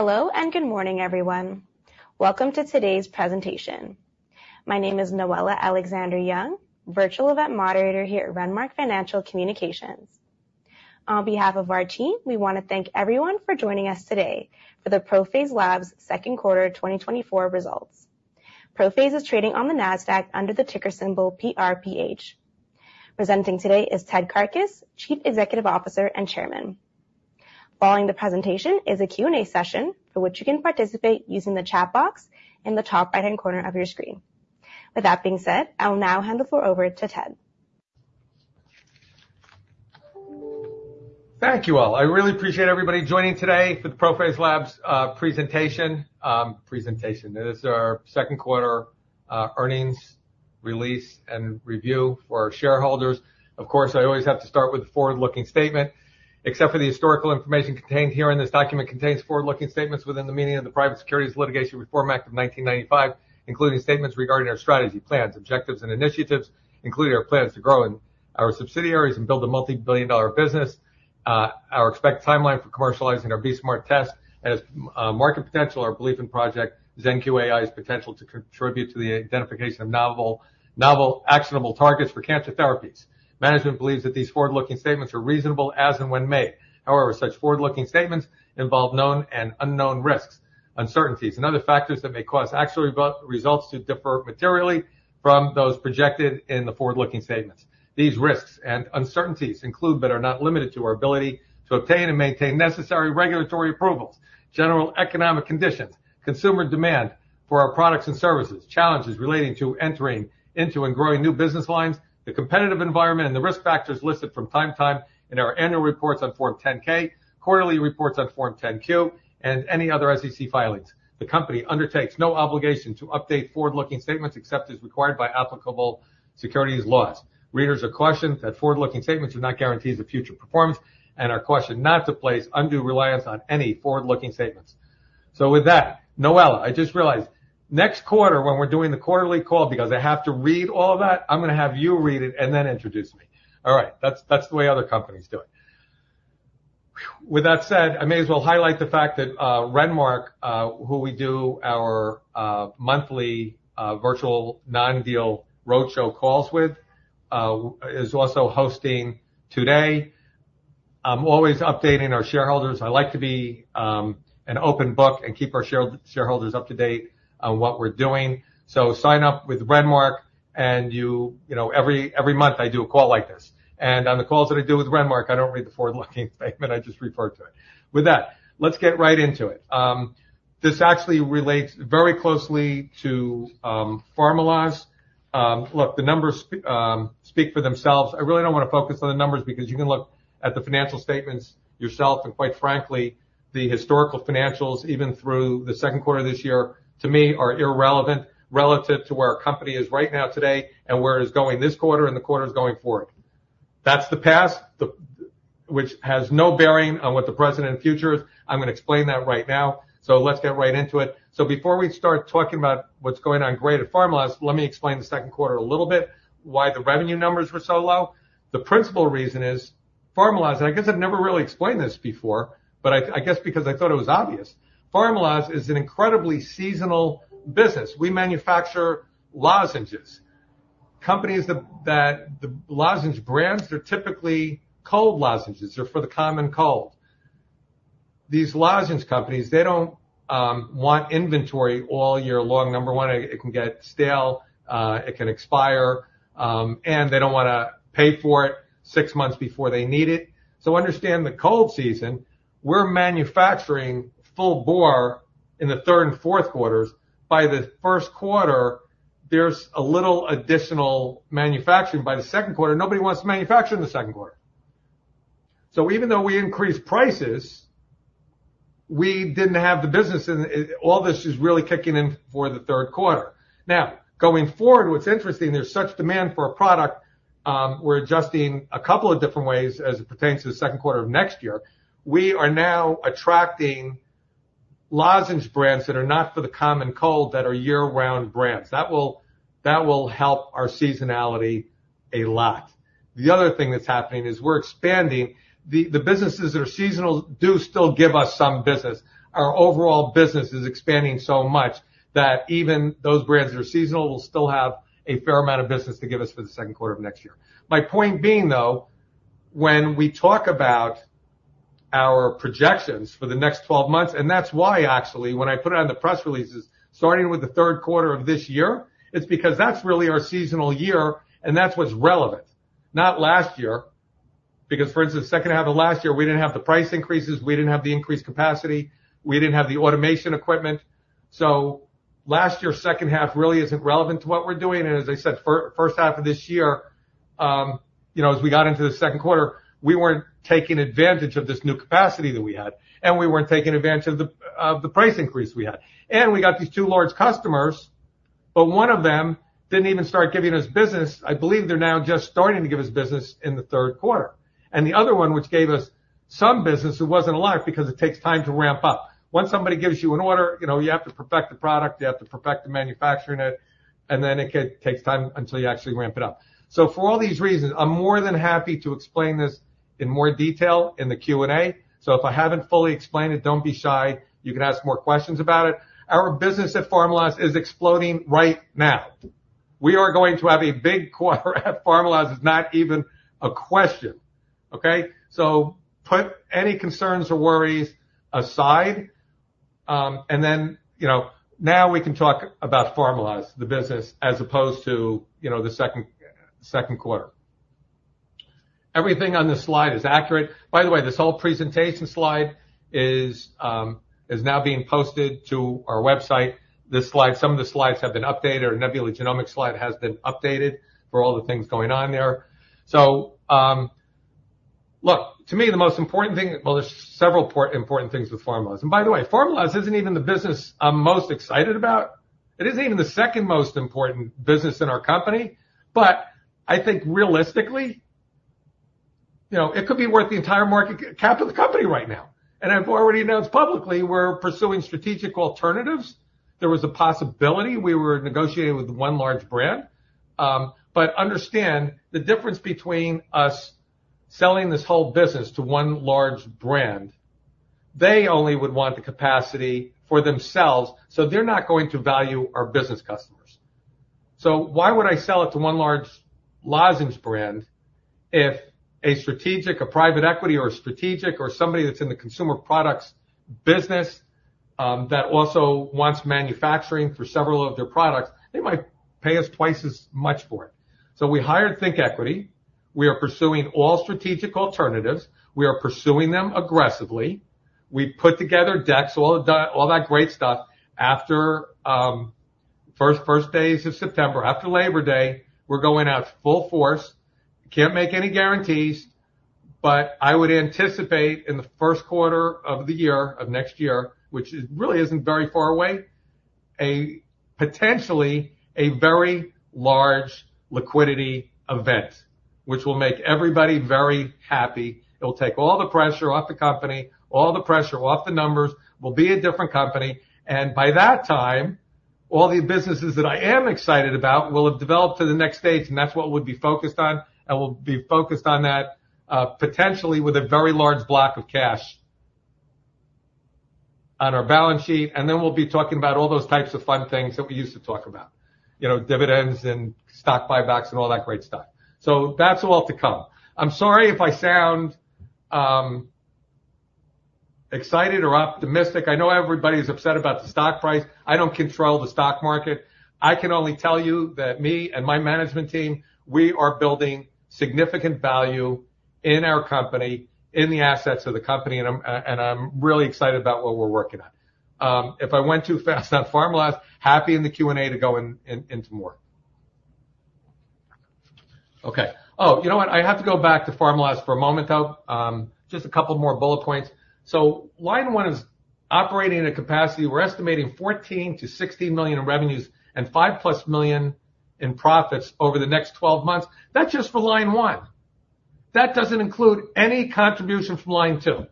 Hello, and good morning, everyone. Welcome to today's presentation. My name is Noella Alexander-Young, virtual event moderator here at Renmark Financial Communications. On behalf of our team, we want to thank everyone for joining us today for the ProPhase Labs second quarter 2024 results. ProPhase is trading on the Nasdaq under the ticker symbol PRPH. Presenting today is Ted Karkus, Chief Executive Officer and Chairman. Following the presentation is a Q&A session, for which you can participate using the chat box in the top right-hand corner of your screen. With that being said, I'll now hand the floor over to Ted. Thank you all. I really appreciate everybody joining today for the ProPhase Labs presentation. It is our second quarter earnings release and review for our shareholders. Of course, I always have to start with a forward-looking statement. Except for the historical information contained herein, this document contains forward-looking statements within the meaning of the Private Securities Litigation Reform Act of 1995, including statements regarding our strategy, plans, objectives, and initiatives, including our plans to grow in our subsidiaries and build a multi-billion-dollar business. Our expected timeline for commercializing our BE-Smart test and its market potential, our belief in Project ZenQ-AI's potential to contribute to the identification of novel actionable targets for cancer therapies. Management believes that these forward-looking statements are reasonable as and when made. However, such forward-looking statements involve known and unknown risks, uncertainties, and other factors that may cause actual results to differ materially from those projected in the forward-looking statements. These risks and uncertainties include, but are not limited to, our ability to obtain and maintain necessary regulatory approvals, general economic conditions, consumer demand for our products and services, challenges relating to entering into and growing new business lines, the competitive environment, and the risk factors listed from time to time in our annual reports on Form 10-K, quarterly reports on Form 10-Q, and any other SEC filings. The company undertakes no obligation to update forward-looking statements except as required by applicable securities laws. Readers are cautioned that forward-looking statements do not guarantee the future performance and are cautioned not to place undue reliance on any forward-looking statements. So with that, Noella, I just realized, next quarter, when we're doing the quarterly call, because I have to read all that, I'm gonna have you read it and then introduce me. All right, that's the way other companies do it. Phew! With that said, I may as well highlight the fact that Renmark, who we do our monthly virtual non-deal roadshow calls with, is also hosting today. I'm always updating our shareholders. I like to be an open book and keep our shareholders up to date on what we're doing. So sign up with Renmark and you know, every month I do a call like this, and on the calls that I do with Renmark, I don't read the forward-looking statement. I just refer to it. With that, let's get right into it. This actually relates very closely to Pharmaloz. Look, the numbers speak for themselves. I really don't want to focus on the numbers because you can look at the financial statements yourself, and quite frankly, the historical financials, even through the second quarter of this year, to me, are irrelevant relative to where our company is right now, today, and where it's going this quarter and the quarters going forward. That's the past, the, which has no bearing on what the present and future is. I'm gonna explain that right now, so let's get right into it. So before we start talking about what's going on great at Pharmaloz, let me explain the second quarter a little bit, why the revenue numbers were so low. The principal reason is, Pharmaloz, and I guess I've never really explained this before, but I guess because I thought it was obvious. Pharmaloz is an incredibly seasonal business. We manufacture lozenges. Companies that the lozenge brands are typically cold lozenges. They're for the common cold. These lozenges companies, they don't want inventory all year long. Number one, it can get stale, it can expire, and they don't wanna pay for it six months before they need it. So understand the cold season, we're manufacturing full bore in the third and fourth quarters. By the first quarter, there's a little additional manufacturing. By the second quarter, nobody wants to manufacture in the second quarter. So even though we increased prices, we didn't have the business, and all this is really kicking in for the third quarter. Now, going forward, what's interesting, there's such demand for our product, we're adjusting a couple of different ways as it pertains to the second quarter of next year. We are now attracting lozenge brands that are not for the common cold, that are year-round brands. That will help our seasonality a lot. The other thing that's happening is we're expanding. The businesses that are seasonal do still give us some business. Our overall business is expanding so much that even those brands that are seasonal will still have a fair amount of business to give us for the second quarter of next year. My point being, though, when we talk about our projections for the next 12 months, and that's why, actually, when I put it on the press releases, starting with the third quarter of this year, it's because that's really our seasonal year, and that's what's relevant. Not last year, because, for instance, second half of last year, we didn't have the price increases, we didn't have the increased capacity, we didn't have the automation equipment. So last year, second half really isn't relevant to what we're doing. And as I said, first half of this year, you know, as we got into the second quarter, we weren't taking advantage of this new capacity that we had, and we weren't taking advantage of the, of the price increase we had. And we got these two large customers, but one of them didn't even start giving us business. I believe they're now just starting to give us business in the third quarter. And the other one, which gave us some business, it wasn't a lot because it takes time to ramp up. Once somebody gives you an order, you know, you have to perfect the product, you have to perfect the manufacturing it, and then it could take time until you actually ramp it up. So for all these reasons, I'm more than happy to explain this in more detail in the Q&A. So if I haven't fully explained it, don't be shy. You can ask more questions about it. Our business at Pharmaloz is exploding right now… we are going to have a big quarter at Pharmaloz. It's not even a question, okay? So put any concerns or worries aside, and then, you know, now we can talk about Pharmaloz, the business, as opposed to, you know, the second quarter. Everything on this slide is accurate. By the way, this whole presentation slide is now being posted to our website. This slide, some of the slides have been updated. Our Nebula Genomics slide has been updated for all the things going on there. So, look, to me, the most important thing - well, there's several important things with Pharmaloz. And by the way, Pharmaloz isn't even the business I'm most excited about. It isn't even the second most important business in our company, but I think realistically, you know, it could be worth the entire market cap of the company right now, and I've already announced publicly we're pursuing strategic alternatives. There was a possibility we were negotiating with one large brand, but understand the difference between us selling this whole business to one large brand, they only would want the capacity for themselves, so they're not going to value our business customers. So why would I sell it to one large lozenge brand if a strategic, a private equity, or a strategic, or somebody that's in the consumer products business, that also wants manufacturing for several of their products, they might pay us twice as much for it? So we hired ThinkEquity. We are pursuing all strategic alternatives. We are pursuing them aggressively. We've put together decks, all that great stuff. After first days of September, after Labor Day, we're going out full force. Can't make any guarantees, but I would anticipate in the first quarter of the year, of next year, which really isn't very far away, a potentially very large liquidity event, which will make everybody very happy. It'll take all the pressure off the company, all the pressure off the numbers, will be a different company, and by that time, all the businesses that I am excited about will have developed to the next stage, and that's what we'll be focused on, and we'll be focused on that, potentially with a very large block of cash on our balance sheet, and then we'll be talking about all those types of fun things that we used to talk about. You know, dividends and stock buybacks and all that great stuff. So that's all to come. I'm sorry if I sound, excited or optimistic. I know everybody's upset about the stock price. I don't control the stock market. I can only tell you that me and my management team, we are building significant value in our company, in the assets of the company, and I'm and I'm really excited about what we're working on. If I went too fast on Pharmaloz, happy in the Q&A to go into more. Okay. Oh, you know what? I have to go back to Pharmaloz for a moment, though. Just a couple more bullet points. So line one is operating at a capacity. We're estimating $14-$16 million in revenues and $5+ million in profits over the next 12 months. That's just for line one. That doesn't include any contribution from line two.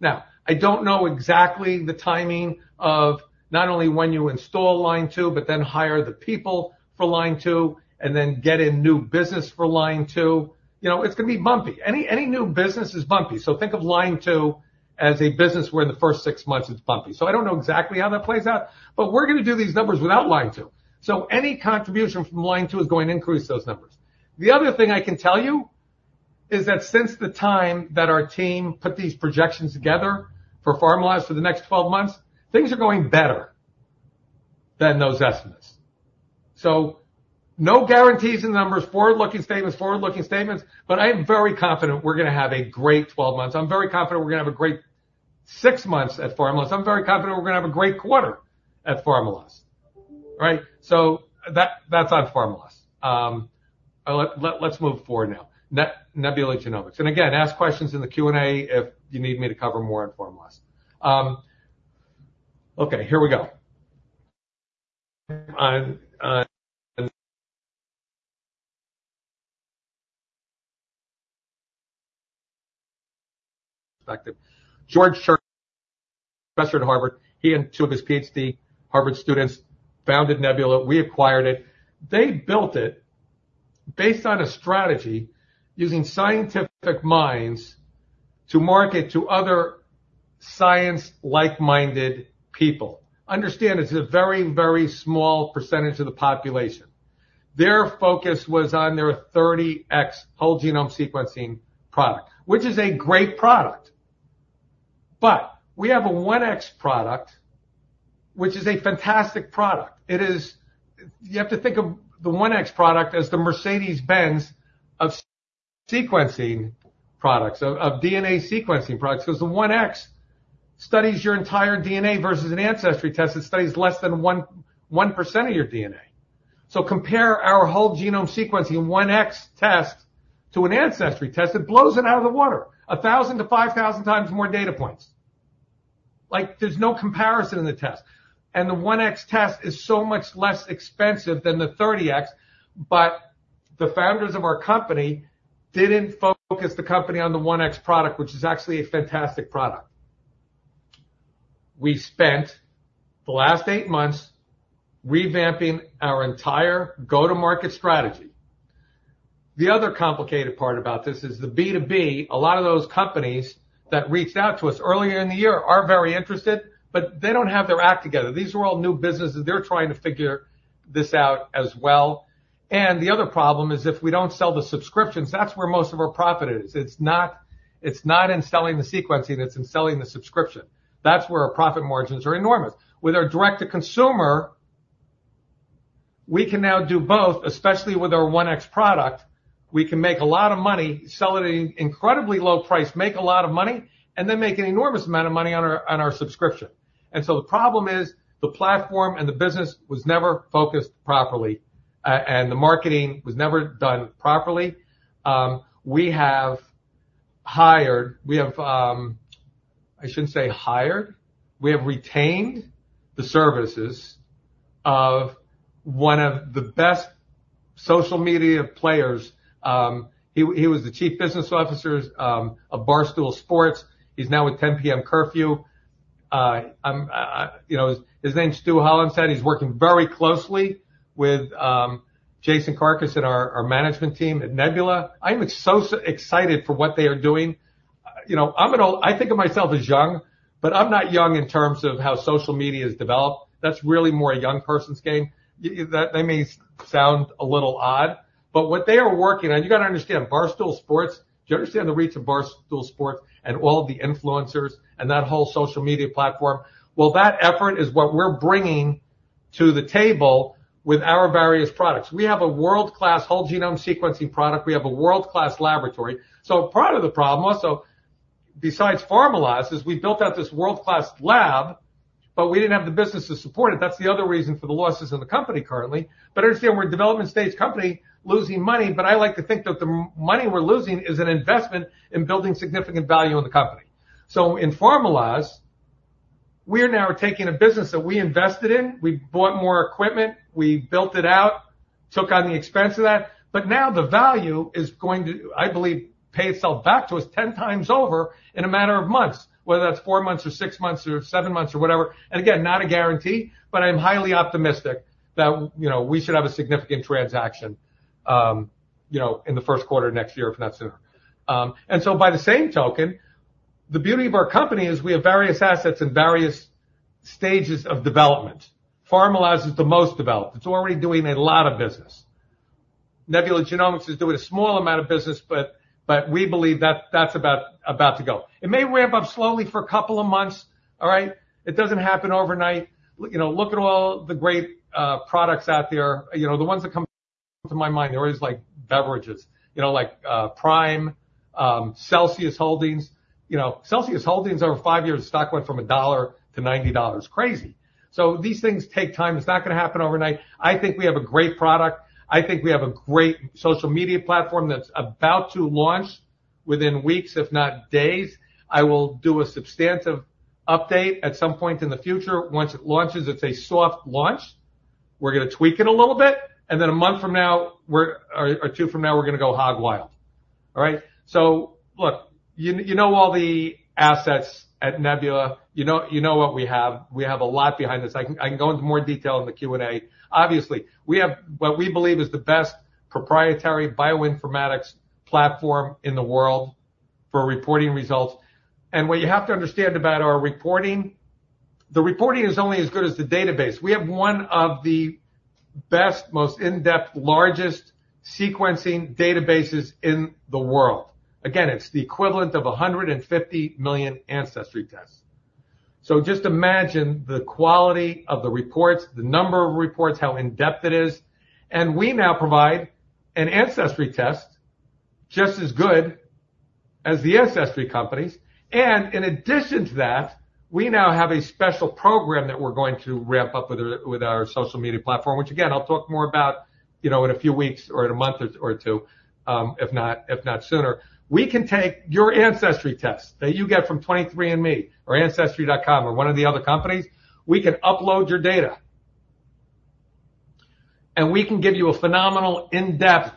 Now, I don't know exactly the timing of not only when you install line two, but then hire the people for line two, and then get in new business for line two. You know, it's gonna be bumpy. Any new business is bumpy, so think of line two as a business where in the first six months, it's bumpy. So I don't know exactly how that plays out, but we're gonna do these numbers without line two. So any contribution from line two is going to increase those numbers. The other thing I can tell you is that since the time that our team put these projections together for Pharmaloz for the next 12 months, things are going better than those estimates. So no guarantees in the numbers, forward-looking statements, forward-looking statements, but I am very confident we're gonna have a great 12 months. I'm very confident we're gonna have a great six months at Pharmaloz. I'm very confident we're gonna have a great quarter at Pharmaloz. All right? So that, that's on Pharmaloz. Let's move forward now. Nebula Genomics. And again, ask questions in the Q&A if you need me to cover more on Pharmaloz. Okay, here we go. Perspective. George Church, professor at Harvard, he and two of his PhD Harvard students founded Nebula. We acquired it. They built it based on a strategy using scientific minds to market to other science-like-minded people. Understand, it's a very, very small percentage of the population. Their focus was on their 30x whole genome sequencing product, which is a great product, but we have a 1x product, which is a fantastic product. It is... You have to think of the 1x product as the Mercedes-Benz of sequencing products, of, of DNA sequencing products, 'cause the 1x studies your entire DNA versus an ancestry test that studies less than 1% of your DNA. So compare our whole genome sequencing 1x test to an ancestry test, it blows it out of the water. 1,000-5,000 times more data points. Like, there's no comparison in the test, and the 1x test is so much less expensive than the 30x, but the founders of our company didn't focus the company on the 1x product, which is actually a fantastic product. We spent the last eight months revamping our entire go-to-market strategy. The other complicated part about this is the B2B, a lot of those companies that reached out to us earlier in the year are very interested, but they don't have their act together. These are all new businesses. They're trying to figure this out as well. The other problem is, if we don't sell the subscriptions, that's where most of our profit is. It's not, it's not in selling the sequencing, it's in selling the subscription. That's where our profit margins are enormous. With our direct-to-consumer, we can now do both, especially with our 1x product. We can make a lot of money, sell it at an incredibly low price, make a lot of money, and then make an enormous amount of money on our, on our subscription. The problem is, the platform and the business was never focused properly, and the marketing was never done properly. We have hired, we have, I shouldn't say hired, we have retained the services of one of the best social media players. He was the chief business officer of Barstool Sports. He's now with 10PM Curfew. You know, his name is Stu Hollenshead. He's working very closely with Jason Karkus and our management team at Nebula. I'm so excited for what they are doing. You know, I'm an old... I think of myself as young, but I'm not young in terms of how social media is developed. That's really more a young person's game. That may sound a little odd, but what they are working on, you got to understand, Barstool Sports, do you understand the reach of Barstool Sports and all the influencers and that whole social media platform? Well, that effort is what we're bringing to the table with our various products. We have a world-class whole genome sequencing product. We have a world-class laboratory. So part of the problem, also, besides Pharmaloz, is we built out this world-class lab, but we didn't have the business to support it. That's the other reason for the losses in the company currently. But understand, we're a development stage company losing money, but I like to think that the money we're losing is an investment in building significant value in the company. So in Pharmaloz, we are now taking a business that we invested in, we bought more equipment, we built it out, took on the expense of that, but now the value is going to, I believe, pay itself back to us ten times over in a matter of months, whether that's four months or six months or seven months or whatever. And again, not a guarantee, but I'm highly optimistic that, you know, we should have a significant transaction, you know, in the first quarter of next year, if not sooner. And so by the same token, the beauty of our company is we have various assets in various stages of development. Pharmaloz is the most developed. It's already doing a lot of business. Nebula Genomics is doing a small amount of business, but, but we believe that that's about, about to go. It may ramp up slowly for a couple of months, all right? It doesn't happen overnight. You know, look at all the great products out there. You know, the ones that come to my mind are always like beverages, you know, like Prime, Celsius Holdings. You know, Celsius Holdings, over five years, stock went from $1 to $90. Crazy! So these things take time. It's not gonna happen overnight. I think we have a great product. I think we have a great social media platform that's about to launch within weeks, if not days. I will do a substantive update at some point in the future once it launches. It's a soft launch. We're gonna tweak it a little bit, and then a month from now, we're or two from now, we're gonna go hog wild. All right? So look, you, you know all the assets at Nebula. You know, you know what we have. We have a lot behind this. I can, I can go into more detail in the Q&A. Obviously, we have what we believe is the best proprietary bioinformatics platform in the world for reporting results. And what you have to understand about our reporting, the reporting is only as good as the database. We have one of the best, most in-depth, largest sequencing databases in the world. Again, it's the equivalent of 150 million ancestry tests. So just imagine the quality of the reports, the number of reports, how in-depth it is, and we now provide an ancestry test just as good as the ancestry companies, and in addition to that, we now have a special program that we're going to ramp up with our social media platform, which again, I'll talk more about, you know, in a few weeks or in a month or two, if not sooner. We can take your ancestry test that you get from 23andMe, or Ancestry.com or one of the other companies. We can upload your data, and we can give you a phenomenal in-depth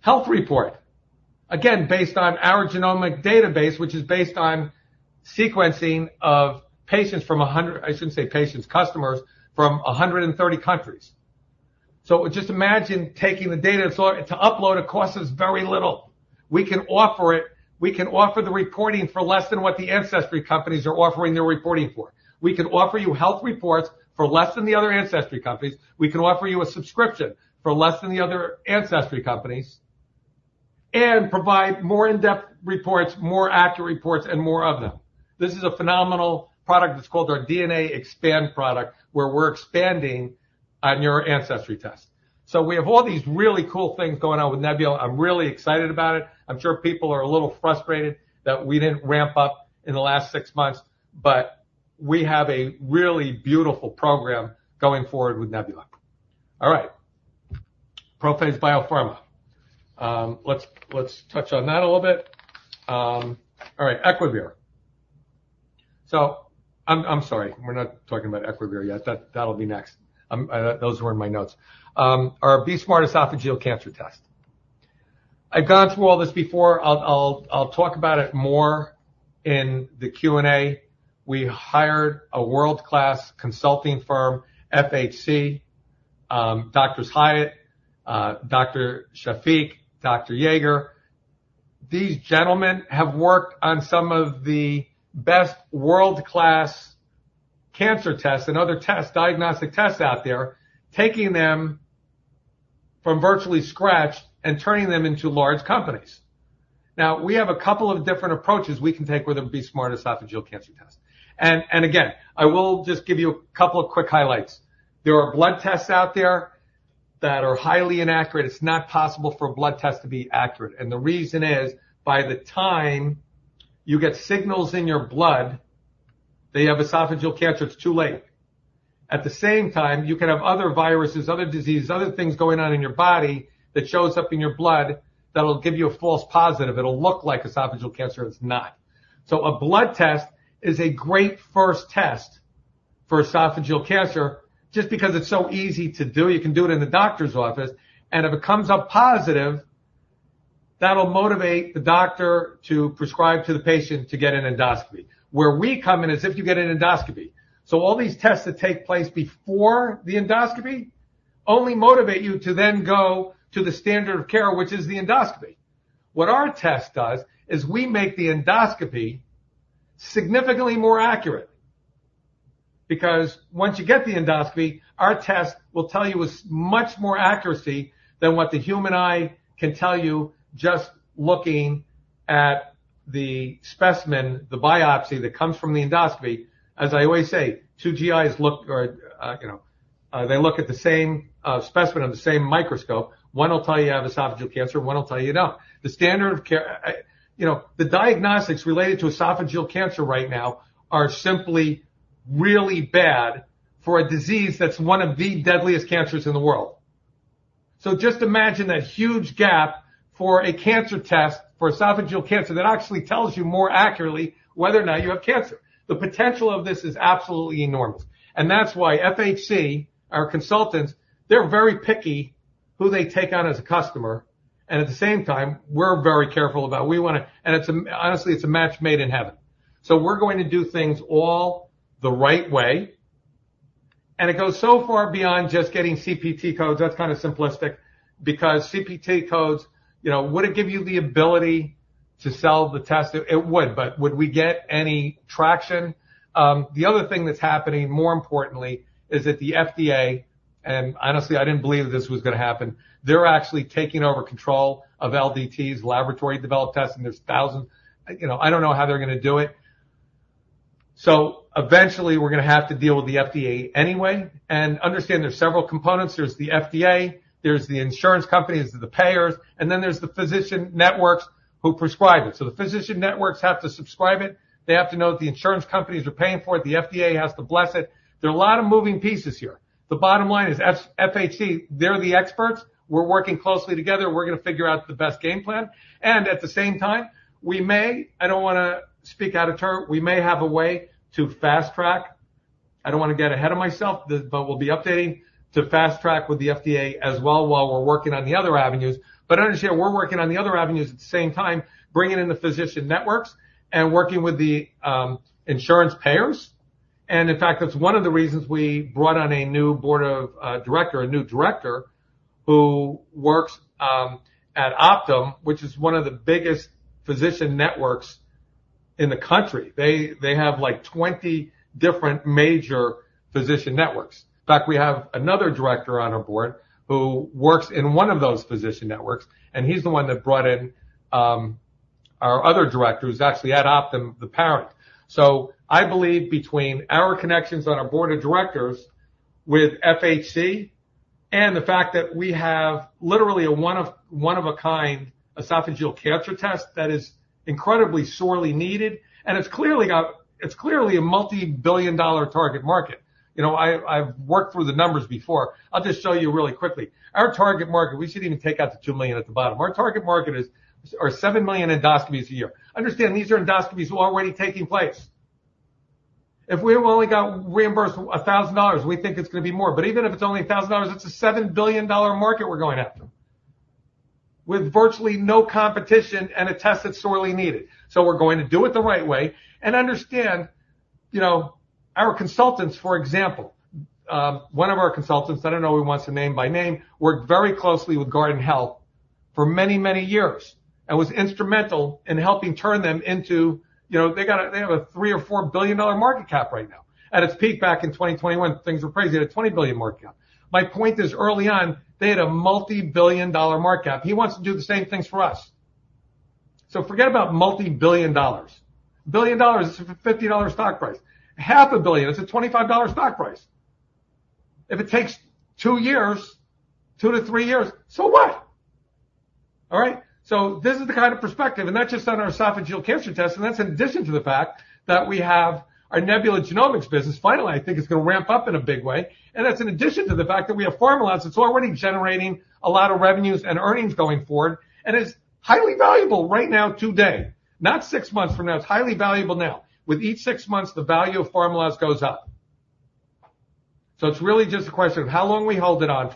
health report. Again, based on our genomic database, which is based on sequencing of patients from 100... I shouldn't say patients, customers from 130 countries. So just imagine taking the data. To upload, it costs us very little. We can offer it. We can offer the reporting for less than what the ancestry companies are offering their reporting for. We can offer you health reports for less than the other ancestry companies. We can offer you a subscription for less than the other ancestry companies and provide more in-depth reports, more accurate reports, and more of them. This is a phenomenal product that's called our DNA Expand product, where we're expanding on your ancestry test. So we have all these really cool things going on with Nebula. I'm really excited about it. I'm sure people are a little frustrated that we didn't ramp up in the last six months, but we have a really beautiful program going forward with Nebula. All right. ProPhase BioPharma. Let's touch on that a little bit. All right, Equivir. So I'm sorry, we're not talking about Equivir yet. That, that'll be next. Those were in my notes. Our BE-Smart esophageal cancer test. I've gone through all this before. I'll talk about it more in the Q&A. We hired a world-class consulting firm, FHC, Doctors Hiatt, Dr. Shafiq, Dr. Yeager. These gentlemen have worked on some of the best world-class cancer tests and other tests, diagnostic tests out there, taking them from virtually scratch and turning them into large companies. Now, we have a couple of different approaches we can take with the BE-Smart Esophageal Cancer test. And again, I will just give you a couple of quick highlights. There are blood tests out there that are highly inaccurate. It's not possible for a blood test to be accurate, and the reason is, by the time you get signals in your blood that you have esophageal cancer, it's too late. At the same time, you could have other viruses, other diseases, other things going on in your body that shows up in your blood that'll give you a false positive. It'll look like esophageal cancer, it's not. So a blood test is a great first test for esophageal cancer, just because it's so easy to do. You can do it in the doctor's office, and if it comes up positive, that'll motivate the doctor to prescribe to the patient to get an endoscopy. Where we come in is if you get an endoscopy. So all these tests that take place before the endoscopy only motivate you to then go to the standard of care, which is the endoscopy. What our test does is we make the endoscopy significantly more accurate, because once you get the endoscopy, our test will tell you with so much more accuracy than what the human eye can tell you, just looking at the specimen, the biopsy that comes from the endoscopy. As I always say, two GIs look, they look at the same specimen on the same microscope. One will tell you, you have esophageal cancer, one will tell you, you don't. The standard of care, the diagnostics related to esophageal cancer right now are simply really bad for a disease that's one of the deadliest cancers in the world. So just imagine that huge gap for a cancer test, for esophageal cancer, that actually tells you more accurately whether or not you have cancer. The potential of this is absolutely enormous, and that's why FHC, our consultants, they're very picky who they take on as a customer, and at the same time, we're very careful about... We wanna honestly, it's a match made in heaven. So we're going to do things all the right way, and it goes so far beyond just getting CPT codes. That's kind of simplistic because CPT codes, you know, would it give you the ability to sell the test? It would, but would we get any traction? The other thing that's happening, more importantly, is that the FDA, and honestly, I didn't believe this was gonna happen, they're actually taking over control of LDTs, laboratory-developed tests, and there's thousands. You know, I don't know how they're gonna do it. So eventually, we're gonna have to deal with the FDA anyway, and understand there's several components. There's the FDA, there's the insurance companies, the payers, and then there's the physician networks who prescribe it. So the physician networks have to subscribe it. They have to know that the insurance companies are paying for it. The FDA has to bless it. There are a lot of moving pieces here. The bottom line is FHC, they're the experts. We're working closely together. We're gonna figure out the best game plan, and at the same time, we may, I don't wanna speak out of turn, we may have a way to fast track. I don't wanna get ahead of myself, but we'll be updating to fast track with the FDA as well while we're working on the other avenues. But understand, we're working on the other avenues at the same time, bringing in the physician networks and working with the insurance payers. And in fact, that's one of the reasons we brought on a new director who works at Optum, which is one of the biggest physician networks in the country. They have, like, 20 different major physician networks. In fact, we have another director on our board who works in one of those physician networks, and he's the one that brought in our other directors, actually at Optum, the parent. So I believe between our connections on our board of directors with FHC and the fact that we have literally one of a kind esophageal cancer test that is incredibly sorely needed, and it's clearly got... It's clearly a multi-billion dollar target market. You know, I, I've worked through the numbers before. I'll just show you really quickly. Our target market, we shouldn't even take out the 2 million at the bottom. Our target market is, are 7 million endoscopies a year. Understand, these are endoscopies already taking place. If we've only got reimbursed $1,000, we think it's gonna be more, but even if it's only $1,000, it's a $7 billion market we're going after, with virtually no competition and a test that's sorely needed. So we're going to do it the right way and understand, you know, our consultants, for example, one of our consultants, I don't know he wants to name by name, worked very closely with Guardant Health for many, many years and was instrumental in helping turn them into, you know, they have a $3-$4 billion market cap right now. At its peak back in 2021, things were crazy, they had a $20 billion market cap. My point is, early on, they had a multi-billion dollar market cap. He wants to do the same things for us. So forget about multi-billion dollars. $1 billion is a $50 stock price. $500 million, it's a $25 stock price. If it takes 2 years, 2-3 years, so what? All right. So this is the kind of perspective, and that's just on our esophageal cancer test, and that's in addition to the fact that we have our Nebula Genomics business. Finally, I think it's gonna ramp up in a big way, and that's in addition to the fact that we have Pharmaloz, it's already generating a lot of revenues and earnings going forward, and it's highly valuable right now today, not six months from now. It's highly valuable now. With each six months, the value of Pharmaloz goes up. So it's really just a question of how long we hold it on.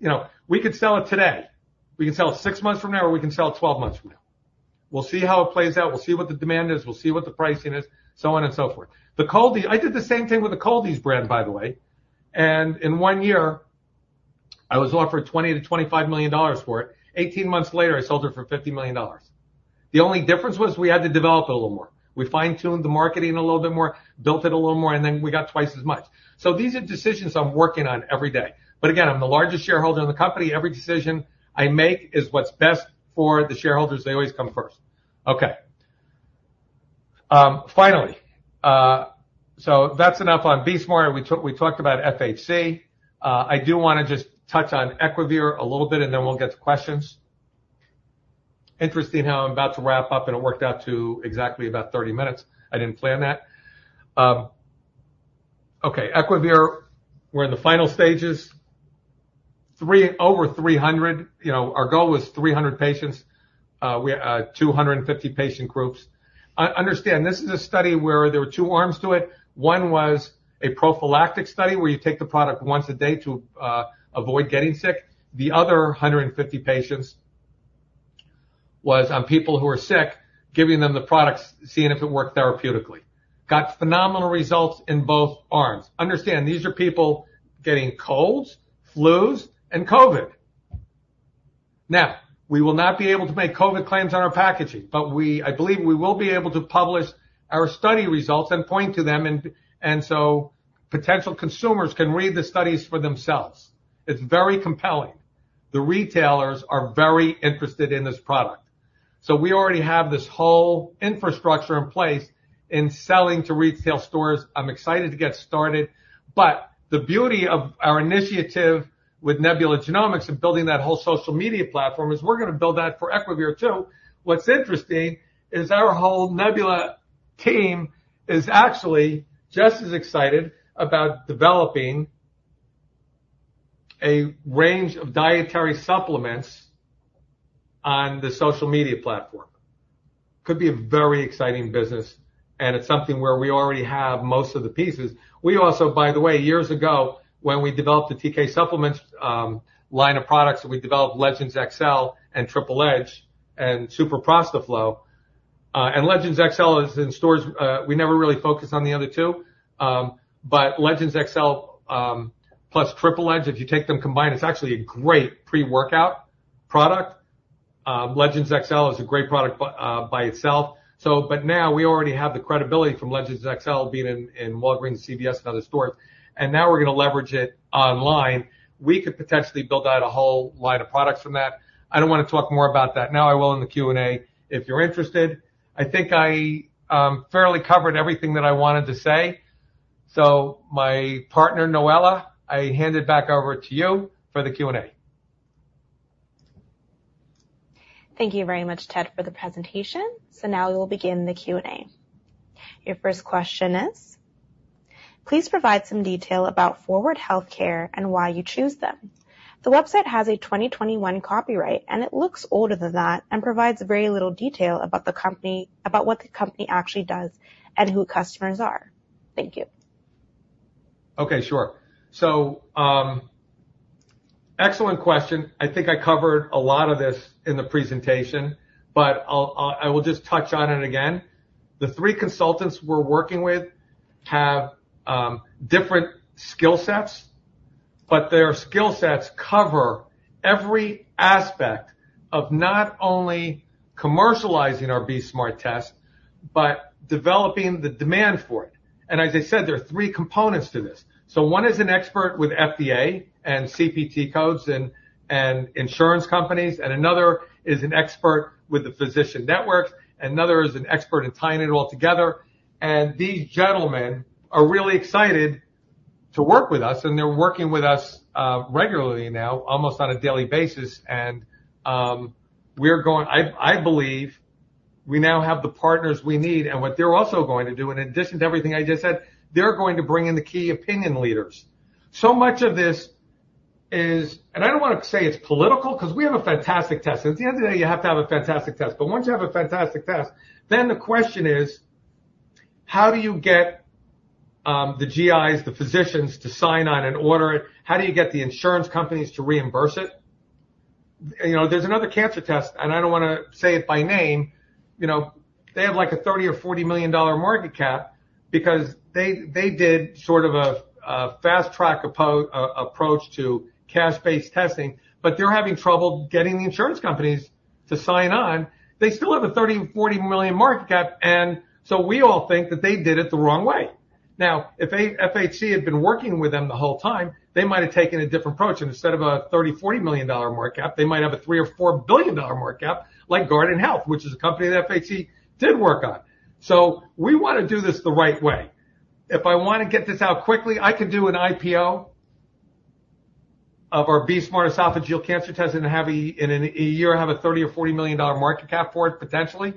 You know, we could sell it today, we can sell it six months from now, or we can sell it twelve months from now. We'll see how it plays out. We'll see what the demand is, we'll see what the pricing is, so on and so forth. The Cold-EEZE brand, by the way, and in 1 year I was offered $20-$25 million for it. 18 months later, I sold it for $50 million. The only difference was we had to develop it a little more. We fine-tuned the marketing a little bit more, built it a little more, and then we got twice as much. So these are decisions I'm working on every day. But again, I'm the largest shareholder in the company. Every decision I make is what's best for the shareholders. They always come first. Okay, finally, so that's enough on Be Smart. We talked about FHC. I do want to just touch on Equivir a little bit, and then we'll get to questions. Interesting how I'm about to wrap up, and it worked out to exactly about 30 minutes. I didn't plan that. Okay, Equivir, we're in the final stages. Over 300, you know, our goal was 300 patients. We are at 250 patient groups. Understand, this is a study where there were two arms to it. One was a prophylactic study, where you take the product once a day to avoid getting sick. The other 150 patients was on people who are sick, giving them the products, seeing if it worked therapeutically. Got phenomenal results in both arms. Understand, these are people getting colds, flus, and COVID. Now, we will not be able to make COVID claims on our packaging, but we, I believe we will be able to publish our study results and point to them and, and so potential consumers can read the studies for themselves. It's very compelling. The retailers are very interested in this product. So we already have this whole infrastructure in place in selling to retail stores. I'm excited to get started, but the beauty of our initiative with Nebula Genomics and building that whole social media platform is we're gonna build that for Equivir, too. What's interesting is our whole Nebula team is actually just as excited about developing a range of dietary supplements on the social media platform. Could be a very exciting business, and it's something where we already have most of the pieces. We also, by the way, years ago, when we developed the TK Supplements line of products, and we developed Legendz XL and Legendz Triple Edge and Super ProstaFlow, and Legendz XL is in stores. We never really focused on the other two. But Legendz XL plus Legendz Triple Edge, if you take them combined, it's actually a great pre-workout product. Legendz XL is a great product by itself. So, but now we already have the credibility from Legendz XL being in Walgreens, CVS, and other stores, and now we're gonna leverage it online. We could potentially build out a whole line of products from that. I don't want to talk more about that now. I will in the Q&A, if you're interested. I think I fairly covered everything that I wanted to say. My partner, Noella, I hand it back over to you for the Q&A. Thank you very much, Ted, for the presentation. Now we will begin the Q&A. Your first question is: Please provide some detail about Forward Healthcare and why you choose them. The website has a 2021 copyright, and it looks older than that and provides very little detail about the company, about what the company actually does and who customers are. Thank you. Okay, sure. So, excellent question. I think I covered a lot of this in the presentation, but I'll, I will just touch on it again. The three consultants we're working with have different skill sets, but their skill sets cover every aspect of not only commercializing our BE-Smart test, but developing the demand for it. And as I said, there are three components to this. So one is an expert with FDA and CPT codes and, and insurance companies, and another is an expert with the physician networks, and another is an expert in tying it all together. And these gentlemen are really excited to work with us, and they're working with us regularly now, almost on a daily basis. And, we're going... I believe we now have the partners we need. What they're also going to do, in addition to everything I just said, they're going to bring in the key opinion leaders. So much of this is, and I don't want to say it's political, 'cause we have a fantastic test, and at the end of the day, you have to have a fantastic test, but once you have a fantastic test, then the question is, how do you get, the GIs, the physicians to sign on and order it? How do you get the insurance companies to reimburse it? You know, there's another cancer test, and I don't wanna say it by name. You know, they have like a $30 or $40 million market cap because they, they did sort of a fast-track opportunity approach to cash-based testing, but they're having trouble getting the insurance companies to sign on. They still have a $30-$40 million market cap, and so we all think that they did it the wrong way. Now, if FHC had been working with them the whole time, they might have taken a different approach, and instead of a $30-$40 million market cap, they might have a $3 billion or $4 billion market cap like Guardant Health, which is a company that FHC did work on. So we want to do this the right way. If I want to get this out quickly, I can do an IPO of our BE-Smart esophageal cancer test and have a... in a year, have a $30-$40 million market cap for it, potentially.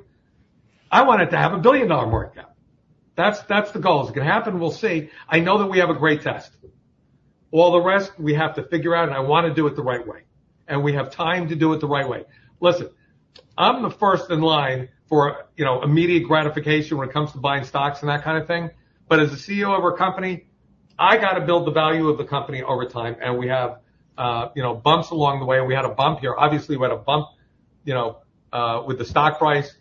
I want it to have a $1 billion market cap. That's the goal. Is it gonna happen? We'll see. I know that we have a great test. All the rest, we have to figure out, and I wanna do it the right way, and we have time to do it the right way. Listen, I'm the first in line for, you know, immediate gratification when it comes to buying stocks and that kind of thing, but as a CEO of a company, I gotta build the value of the company over time, and we have, you know, bumps along the way, and we had a bump here. Obviously, we had a bump, you know, with the stock price.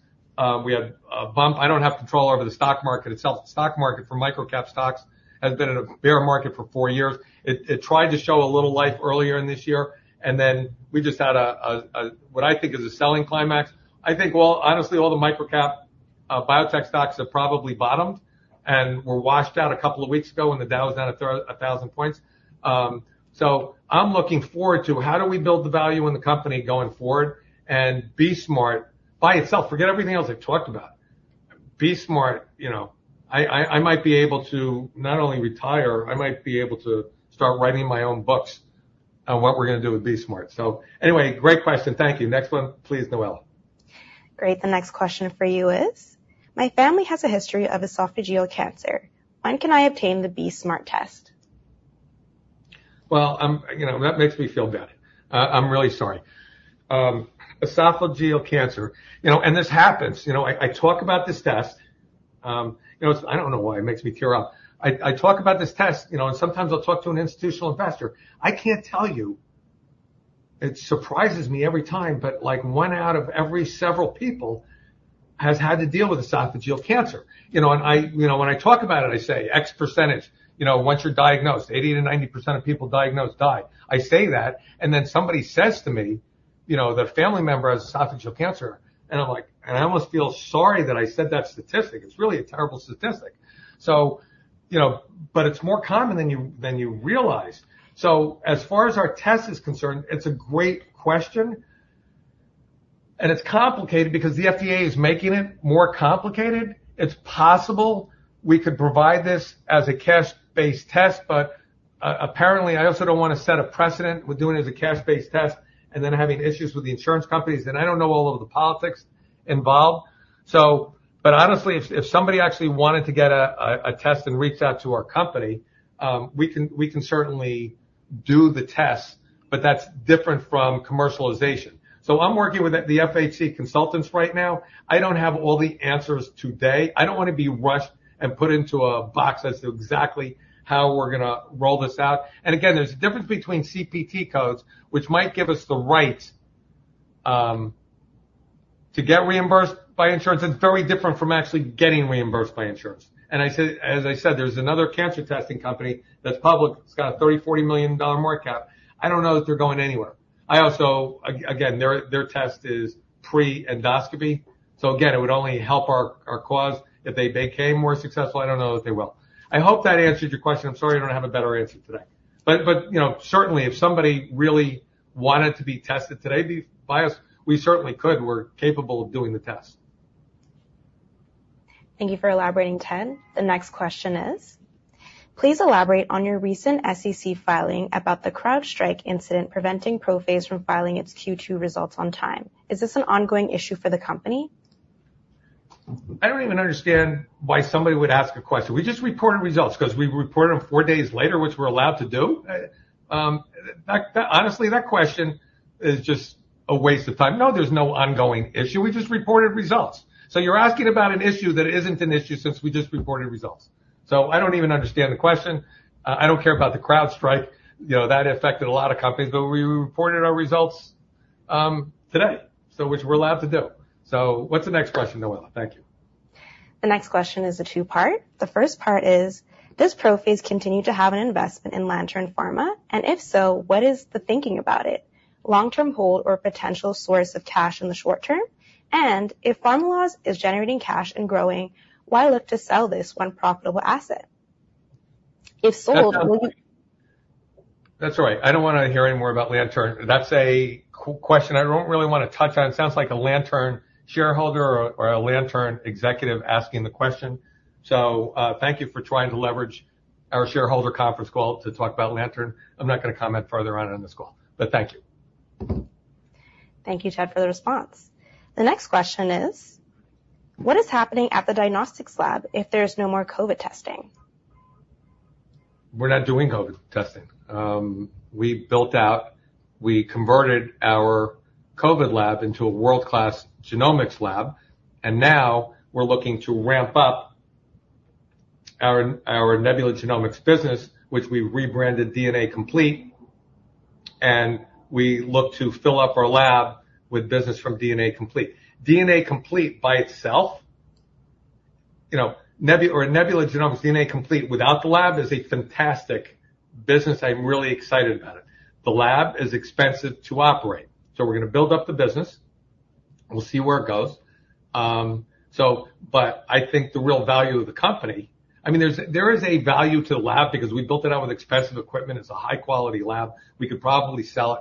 We had a bump. I don't have control over the stock market itself. The stock market for micro-cap stocks has been in a bear market for four years. It tried to show a little life earlier in this year, and then we just had a what I think is a selling climax. I think all honestly, all the micro cap biotech stocks have probably bottomed and were washed out a couple of weeks ago when the Dow was down 1,000 points. So I'm looking forward to how do we build the value in the company going forward and BE-Smart by itself? Forget everything else I've talked about. BE-Smart, you know, I might be able to not only retire, I might be able to start writing my own books on what we're gonna do with BE-Smart. So anyway, great question. Thank you. Next one, please, Noella. Great! The next question for you is: My family has a history of esophageal cancer. When can I obtain the BE-Smart test? Well, you know, that makes me feel bad. I'm really sorry. Esophageal cancer, you know, and this happens, you know, I, I talk about this test, you know, I don't know why it makes me tear up. I, I talk about this test, you know, and sometimes I'll talk to an institutional investor. I can't tell you, it surprises me every time, but, like, one out of every several people has had to deal with esophageal cancer. You know, and I... You know, when I talk about it, I say X percentage, you know, once you're diagnosed, 80%-90% of people diagnosed die. I say that, and then somebody says to me, you know, their family member has esophageal cancer, and I'm like... And I almost feel sorry that I said that statistic. It's really a terrible statistic. So, you know, but it's more common than you realize. So as far as our test is concerned, it's a great question, and it's complicated because the FDA is making it more complicated. It's possible we could provide this as a cash-based test, but apparently, I also don't wanna set a precedent with doing it as a cash-based test and then having issues with the insurance companies, and I don't know all of the politics involved. So, but honestly, if somebody actually wanted to get a test and reached out to our company, we can certainly do the test, but that's different from commercialization. So I'm working with the FHC consultants right now. I don't have all the answers today. I don't wanna be rushed and put into a box as to exactly how we're gonna roll this out. Again, there's a difference between CPT codes, which might give us the right to get reimbursed by insurance. It's very different from actually getting reimbursed by insurance. As I said, there's another cancer testing company that's public. It's got a $30-$40 million market cap. I don't know that they're going anywhere. Again, their test is pre-endoscopy, so again, it would only help our cause if they became more successful. I don't know that they will. I hope that answered your question. I'm sorry I don't have a better answer today. But you know, certainly, if somebody really wanted to be tested today by us, we certainly could. We're capable of doing the test. Thank you for elaborating, Ted. The next question is: Please elaborate on your recent SEC filing about the CrowdStrike incident preventing ProPhase from filing its Q2 results on time. Is this an ongoing issue for the company? I don't even understand why somebody would ask a question. We just reported results, 'cause we reported them four days later, which we're allowed to do. That, honestly, that question is just a waste of time. No, there's no ongoing issue. We just reported results. So you're asking about an issue that isn't an issue since we just reported results. So I don't even understand the question. I don't care about the CrowdStrike. You know, that affected a lot of companies, but we reported our results today, so which we're allowed to do. So what's the next question, Noella? Thank you. The next question is a two-part. The first part is: Does ProPhase continue to have an investment in Lantern Pharma? And if so, what is the thinking about it, long-term hold or potential source of cash in the short term? And if Pharmaloz is generating cash and growing, why look to sell this one profitable asset? If sold- That's right. I don't wanna hear any more about Lantern. That's a question I don't really wanna touch on. It sounds like a Lantern shareholder or a Lantern executive asking the question. Thank you for trying to leverage our shareholder conference call to talk about Lantern. I'm not gonna comment further on it on this call, but thank you. Thank you, Ted, for the response. The next question is: What is happening at the diagnostics lab if there is no more COVID testing? We're not doing COVID testing. We built out... We converted our COVID lab into a world-class genomics lab, and now we're looking to ramp up our Nebula Genomics business, which we rebranded DNA Complete, and we look to fill up our lab with business from DNA Complete. DNA Complete by itself, you know, Nebula Genomics, DNA Complete without the lab, is a fantastic business. I'm really excited about it. The lab is expensive to operate, so we're gonna build up the business. We'll see where it goes. So but I think the real value of the company... I mean, there's, there is a value to the lab because we built it out with expensive equipment. It's a high-quality lab. We could probably sell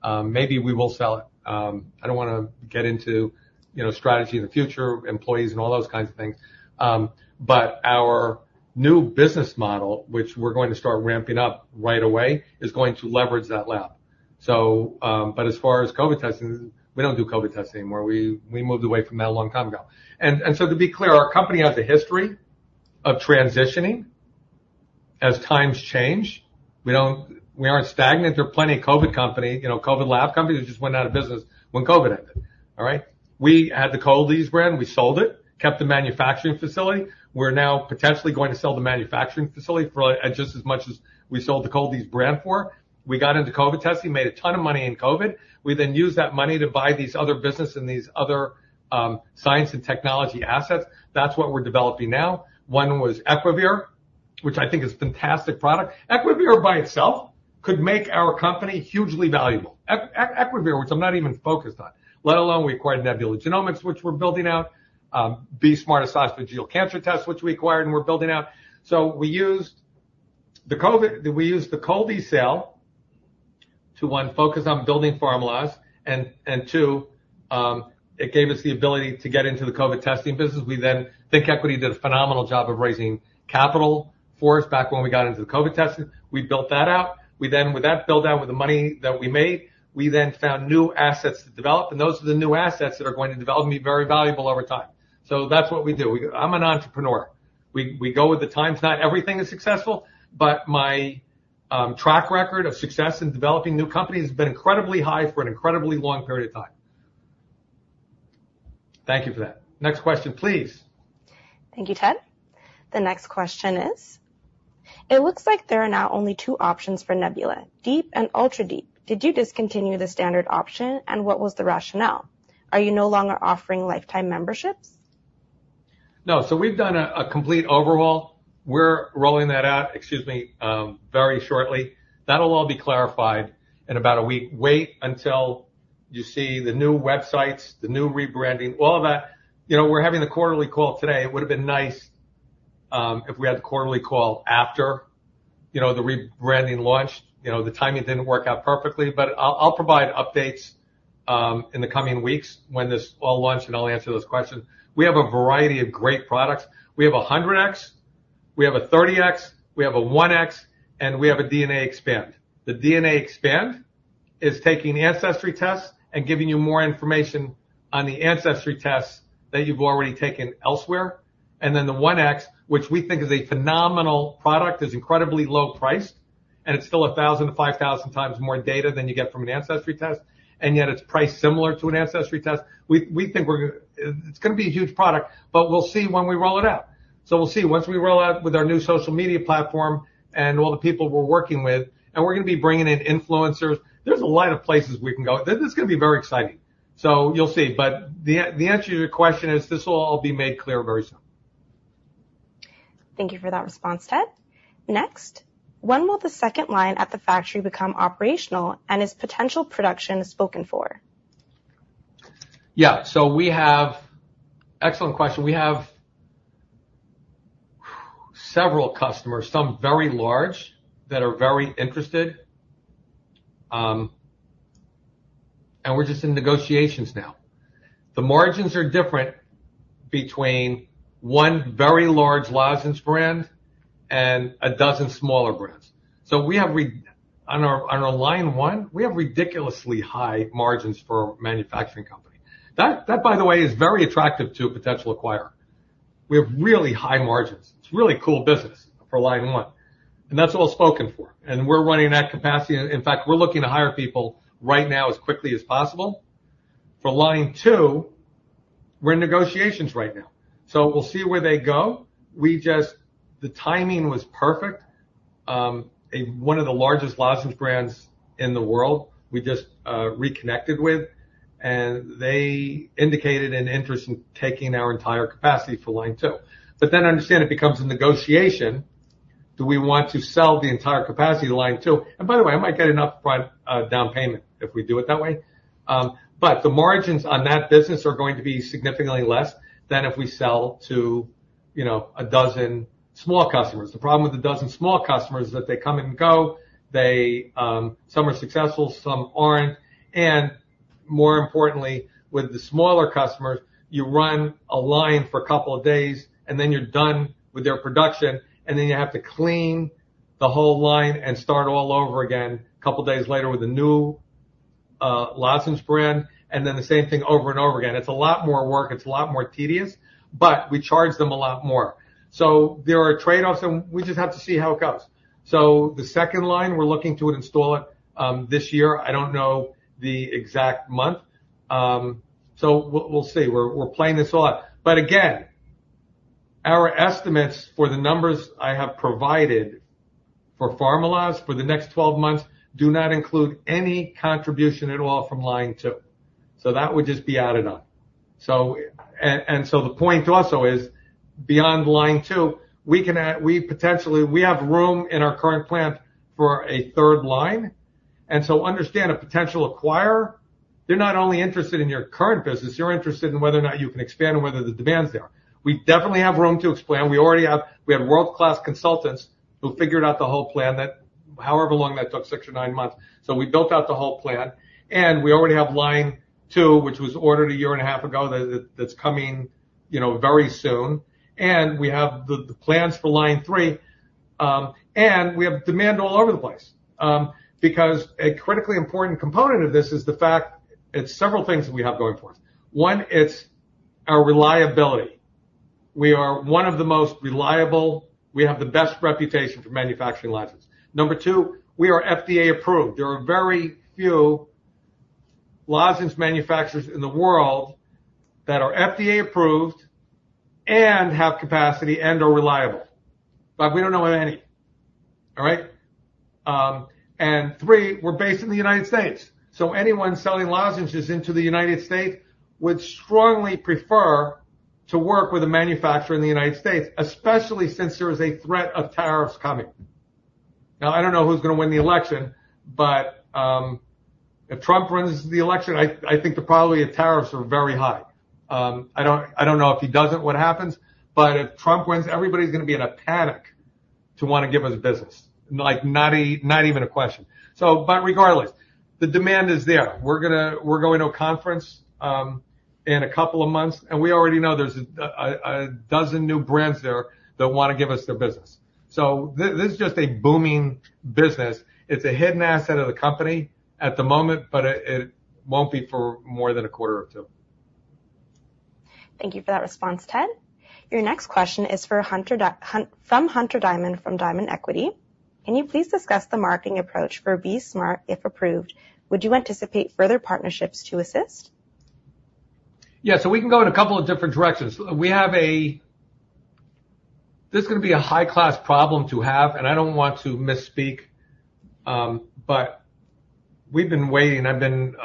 it. Maybe we will sell it. I don't wanna get into, you know, strategy in the future, employees, and all those kinds of things. But our new business model, which we're going to start ramping up right away, is going to leverage that lab. So, but as far as COVID testing, we don't do COVID testing anymore. We moved away from that a long time ago. And so to be clear, our company has a history of transitioning as times change. We don't, we aren't stagnant. There are plenty of COVID company, you know, COVID lab companies that just went out of business when COVID ended. All right? We had the Cold-EEZE brand, we sold it, kept the manufacturing facility. We're now potentially going to sell the manufacturing facility for just as much as we sold the Cold-EEZE brand for. We got into COVID testing, made a ton of money in COVID. We then used that money to buy these other business and these other, science and technology assets. That's what we're developing now. One was Equivir, which I think is a fantastic product. Equivir by itself could make our company hugely valuable. Equivir, which I'm not even focused on, let alone we acquired Nebula Genomics, which we're building out, BE-Smart, esophageal cancer test, which we acquired, and we're building out. So we used the COVID. We used the Cold-EEZE sale to, one, focus on building Pharmaloz, and two, it gave us the ability to get into the COVID testing business. We then, ThinkEquity did a phenomenal job of raising capital for us back when we got into the COVID testing. We built that out. We then, with that build out, with the money that we made, we then found new assets to develop, and those are the new assets that are going to develop and be very valuable over time. So that's what we do. I'm an entrepreneur. We go with the times. Not everything is successful, but my track record of success in developing new companies has been incredibly high for an incredibly long period of time. Thank you for that. Next question, please. Thank you, Ted. The next question is: It looks like there are now only two options for Nebula, Deep and Ultra Deep. Did you discontinue the standard option, and what was the rationale? Are you no longer offering lifetime memberships? No. So we've done a complete overhaul. We're rolling that out, excuse me, very shortly. That'll all be clarified in about a week. Wait until you see the new websites, the new rebranding, all of that. You know, we're having the quarterly call today. It would have been nice if we had the quarterly call after, you know, the rebranding launched. You know, the timing didn't work out perfectly, but I'll provide updates in the coming weeks when this all launches, and I'll answer those questions. We have a variety of great products. We have 100x, we have 30x, we have 1x, and we have DNA Expand. The DNA Expand is taking the ancestry test and giving you more information on the ancestry test that you've already taken elsewhere, and then the 1x, which we think is a phenomenal product, is incredibly low priced, and it's still 1,000 to 5,000 times more data than you get from an ancestry test, and yet it's priced similar to an ancestry test. We, we think we're... It's gonna be a huge product, but we'll see when we roll it out. So we'll see. Once we roll out with our new social media platform and all the people we're working with, and we're gonna be bringing in influencers, there's a lot of places we can go. This is gonna be very exciting. So you'll see. But the, the answer to your question is, this will all be made clear very soon. Thank you for that response, Ted. Next, when will the second line at the factory become operational, and is potential production spoken for? Yeah. So we have... Excellent question. We have several customers, some very large, that are very interested, and we're just in negotiations now. The margins are different between one very large lozenges brand and a dozen smaller brands. So, on our line one, we have ridiculously high margins for a manufacturing company. That, by the way, is very attractive to a potential acquirer. We have really high margins. It's a really cool business for line one, and that's all spoken for, and we're running at capacity. In fact, we're looking to hire people right now as quickly as possible. For line two, we're in negotiations right now, so we'll see where they go. We just... The timing was perfect. One of the largest lozenges brands in the world, we just reconnected with, and they indicated an interest in taking our entire capacity for line two. But then understand it becomes a negotiation. Do we want to sell the entire capacity to line two? And by the way, I might get an upfront down payment if we do it that way. But the margins on that business are going to be significantly less than if we sell to, you know, a dozen small customers. The problem with a dozen small customers is that they come and go. They, some are successful, some aren't, and more importantly, with the smaller customers, you run a line for a couple of days, and then you're done with their production, and then you have to clean the whole line and start all over again a couple days later with a new, lozenges brand, and then the same thing over and over again. It's a lot more work, it's a lot more tedious, but we charge them a lot more. So there are trade-offs, and we just have to see how it goes. So the second line, we're looking to install it, this year. I don't know the exact month. So we'll, we'll see. We're, we're playing this a lot. But again, our estimates for the numbers I have provided for Pharmaloz for the next twelve months do not include any contribution at all from line two. So that would just be added on. So the point also is, beyond line two, we can add we potentially, we have room in our current plant for a third line, and so understand, a potential acquirer, they're not only interested in your current business, they're interested in whether or not you can expand and whether the demand is there. We definitely have room to expand. We already have world-class consultants who figured out the whole plan that however long that took, six or nine months. So we built out the whole plan, and we already have line two, which was ordered a year and a half ago, that's coming you know, very soon, and we have the plans for line three, and we have demand all over the place. Because a critically important component of this is the fact, it's several things we have going for us. One, it's our reliability. We are one of the most reliable. We have the best reputation for manufacturing lozenges. Number two, we are FDA approved. There are very few lozenges manufacturers in the world that are FDA approved and have capacity and are reliable, but we don't know of any. All right? And three, we're based in the United States, so anyone selling lozenges into the United States would strongly prefer to work with a manufacturer in the United States, especially since there is a threat of tariffs coming. Now, I don't know who's gonna win the election, but, if Trump wins the election, I think the probability of tariffs are very high. I don't know if he doesn't, what happens, but if Trump wins, everybody's gonna be in a panic to wanna give us business. Like, not even a question. So, but regardless, the demand is there. We're going to a conference in a couple of months, and we already know there's a dozen new brands there that wanna give us their business. So this is just a booming business. It's a hidden asset of the company at the moment, but it won't be for more than a quarter or two. Thank you for that response, Ted. Your next question is for Hunter Diamond from Hunter Diamond, from Diamond Equity. Can you please discuss the marketing approach for BE-Smart, if approved? Would you anticipate further partnerships to assist? Yeah. So we can go in a couple of different directions. We have a... This is gonna be a high-class problem to have, and I don't want to misspeak, but we've been waiting, I've been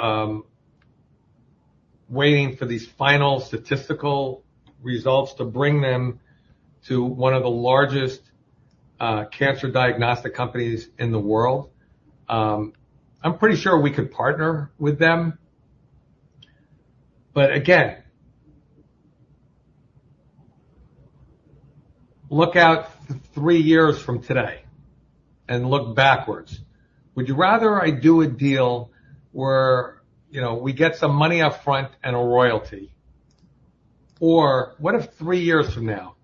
waiting for these final statistical results to bring them to one of the largest cancer diagnostic companies in the world. I'm pretty sure we could partner with them. But again, look out three years from today and look backwards. Would you rather I do a deal where, you know, we get some money upfront and a royalty? Or what if three years from now,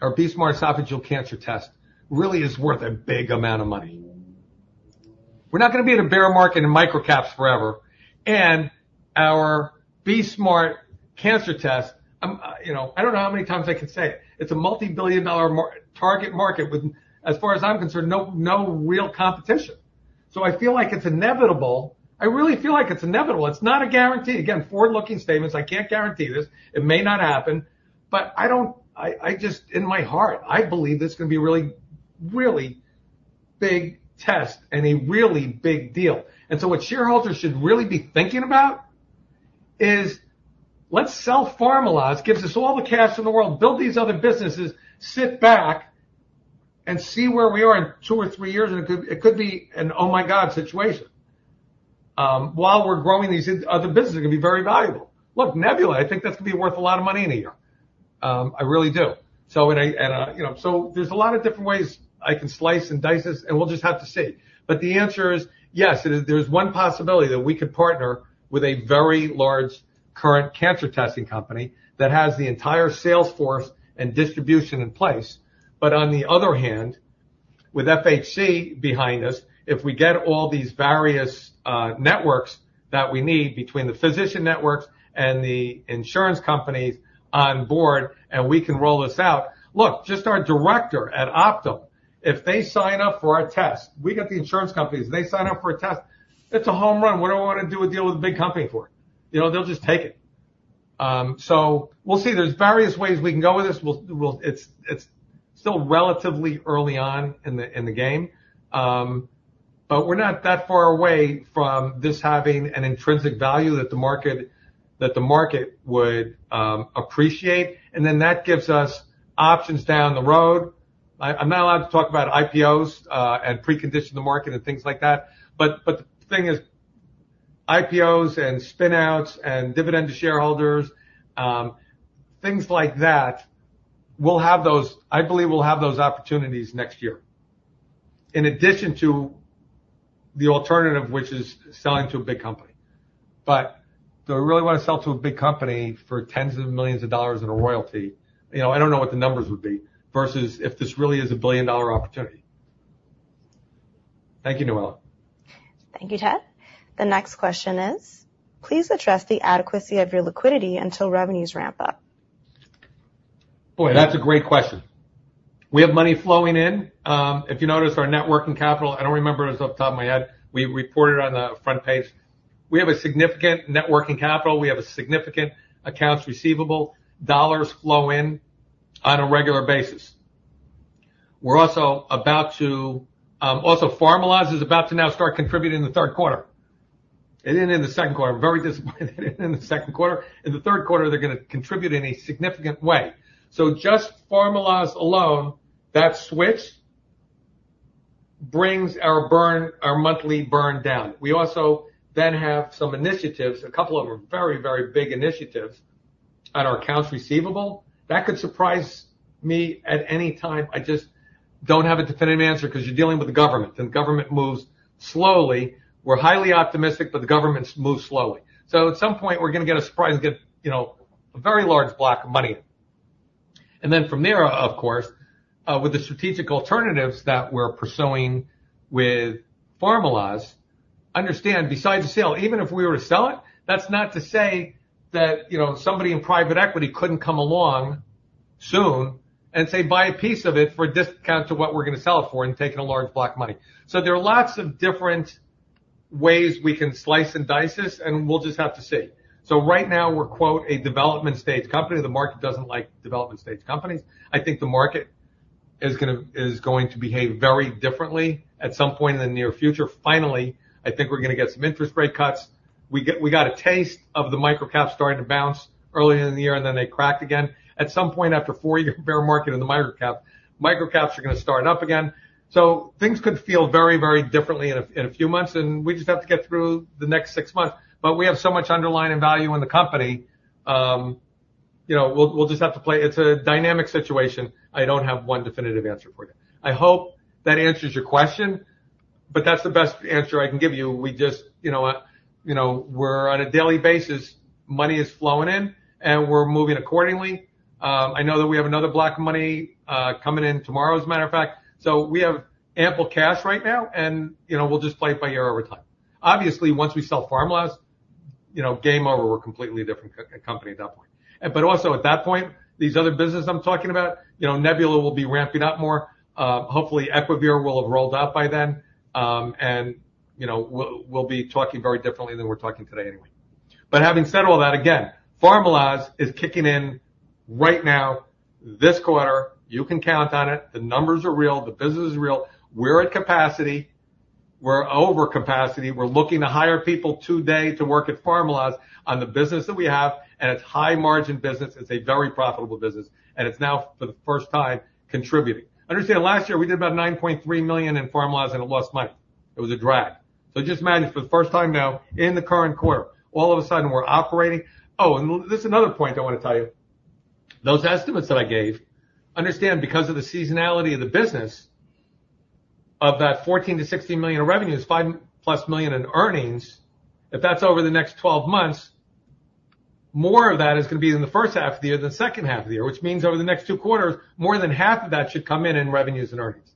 our BE-Smart esophageal cancer test really is worth a big amount of money? We're not gonna be in a bear market in micro caps forever, and our BE-Smart cancer test, you know, I don't know how many times I can say it, it's a multi-billion dollar market target market with, as far as I'm concerned, no, no real competition. So I feel like it's inevitable. I really feel like it's inevitable. It's not a guarantee. Again, forward-looking statements, I can't guarantee this. It may not happen, but I don't... I, I just, in my heart, I believe this is gonna be a really, really big test and a really big deal. And so what shareholders should really be thinking about is, let's sell Pharmaloz, gives us all the cash in the world, build these other businesses, sit back and see where we are in two or three years, and it could, it could be an, oh, my God, situation. While we're growing these other businesses, it can be very valuable. Look, Nebula, I think that's gonna be worth a lot of money in a year. I really do. You know, so there's a lot of different ways I can slice and dice this, and we'll just have to see. But the answer is, yes, there, there's one possibility that we could partner with a very large current cancer testing company that has the entire sales force and distribution in place. But on the other hand, with FHC behind us, if we get all these various networks that we need between the physician networks and the insurance companies on board, and we can roll this out. Look, just our director at Optum, if they sign up for a test, we get the insurance companies, they sign up for a test, it's a home run. What do I wanna do a deal with a big company for? You know, they'll just take it. So we'll see. There's various ways we can go with this. We'll see. It's still relatively early on in the game, but we're not that far away from this having an intrinsic value that the market would appreciate, and then that gives us options down the road. I'm not allowed to talk about IPOs and precondition the market and things like that, but the thing is, IPOs and spin-outs and dividend to shareholders, things like that. We'll have those. I believe we'll have those opportunities next year, in addition to the alternative, which is selling to a big company. But do I really want to sell to a big company for tens of millions of dollars in a royalty? You know, I don't know what the numbers would be versus if this really is a billion-dollar opportunity. Thank you, Noella. Thank you, Ted. The next question is: Please address the adequacy of your liquidity until revenues ramp up. Boy, that's a great question. We have money flowing in. If you notice our net working capital, I don't remember it off the top of my head. We reported on the front page. We have a significant net working capital. We have significant accounts receivable. Dollars flow in on a regular basis. We're also about to... Also, Pharmaloz is about to now start contributing in the third quarter. It didn't in the second quarter, very disappointed it didn't in the second quarter. In the third quarter, they're gonna contribute in a significant way. So just Pharmaloz alone, that switch brings our burn, our monthly burn down. We also then have some initiatives, a couple of them are very, very big initiatives, on our accounts receivable. That could surprise me at any time, I just don't have a definitive answer, 'cause you're dealing with the government, and government moves slowly. We're highly optimistic, but the government's move slowly. So at some point, we're gonna get a surprise and get, you know, a very large block of money. And then from there, of course, with the strategic alternatives that we're pursuing with Pharmaloz, understand, besides the sale, even if we were to sell it, that's not to say that, you know, somebody in private equity couldn't come along soon and say, buy a piece of it for a discount to what we're gonna sell it for and take in a large block of money. So there are lots of different ways we can slice and dice this, and we'll just have to see. So right now, we're, quote, "a development stage company." The market doesn't like development stage companies. I think the market is going to behave very differently at some point in the near future. Finally, I think we're gonna get some interest rate cuts. We get, we got a taste of the micro cap starting to bounce earlier in the year, and then they cracked again. At some point, after a four-year bear market in the microcap, microcaps are gonna start up again. So things could feel very, very differently in a, in a few months, and we just have to get through the next six months. But we have so much underlying value in the company, you know, we'll just have to play... It's a dynamic situation. I don't have one definitive answer for you. I hope that answers your question, but that's the best answer I can give you. We just, you know, you know, we're on a daily basis, money is flowing in, and we're moving accordingly. I know that we have another block of money coming in tomorrow, as a matter of fact. So we have ample cash right now, and, you know, we'll just play it by ear over time. Obviously, once we sell Pharmaloz, you know, game over, we're a completely different company at that point. But also, at that point, these other businesses I'm talking about, you know, Nebula will be ramping up more, hopefully, Equivir will have rolled out by then, and, you know, we'll be talking very differently than we're talking today anyway. But having said all that, again, Pharmaloz is kicking in right now, this quarter, you can count on it. The numbers are real, the business is real. We're at capacity. We're over capacity. We're looking to hire people today to work at Pharmaloz on the business that we have, and it's high-margin business, it's a very profitable business, and it's now, for the first time, contributing. Understand, last year, we did about $9.3 million in Pharmaloz, and it lost money. It was a drag. So just imagine, for the first time now, in the current quarter, all of a sudden, we're operating... Oh, and this is another point I want to tell you. Those estimates that I gave, understand, because of the seasonality of the business, of that $14 million-$16 million in revenues, $5 million+ in earnings, if that's over the next 12 months, more of that is gonna be in the first half of the year than the second half of the year, which means over the next two quarters, more than half of that should come in, in revenues and earnings.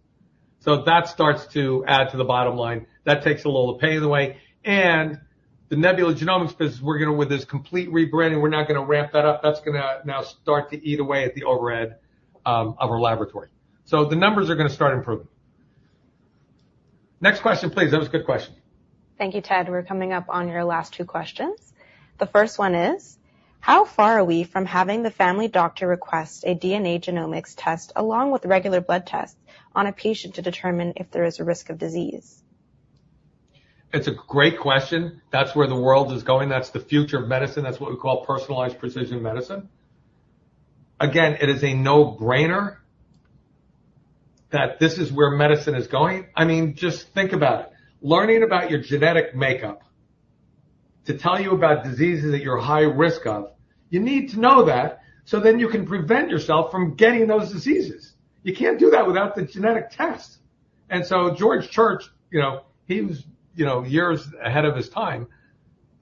So that starts to add to the bottom line. That takes a little of the pain away. And the Nebula Genomics business, we're gonna, with this complete rebranding, we're now gonna ramp that up. That's gonna now start to eat away at the overhead, of our laboratory. So the numbers are gonna start improving. Next question, please. That was a good question. Thank you, Ted. We're coming up on your last two questions. The first one is: How far are we from having the family doctor request a DNA genomics test along with regular blood tests on a patient to determine if there is a risk of disease? It's a great question. That's where the world is going. That's the future of medicine. That's what we call personalized precision medicine. Again, it is a no-brainer that this is where medicine is going. I mean, just think about it. Learning about your genetic makeup to tell you about diseases that you're at high risk of, you need to know that, so then you can prevent yourself from getting those diseases. You can't do that without the genetic test. And so George Church, you know, he was, you know, years ahead of his time,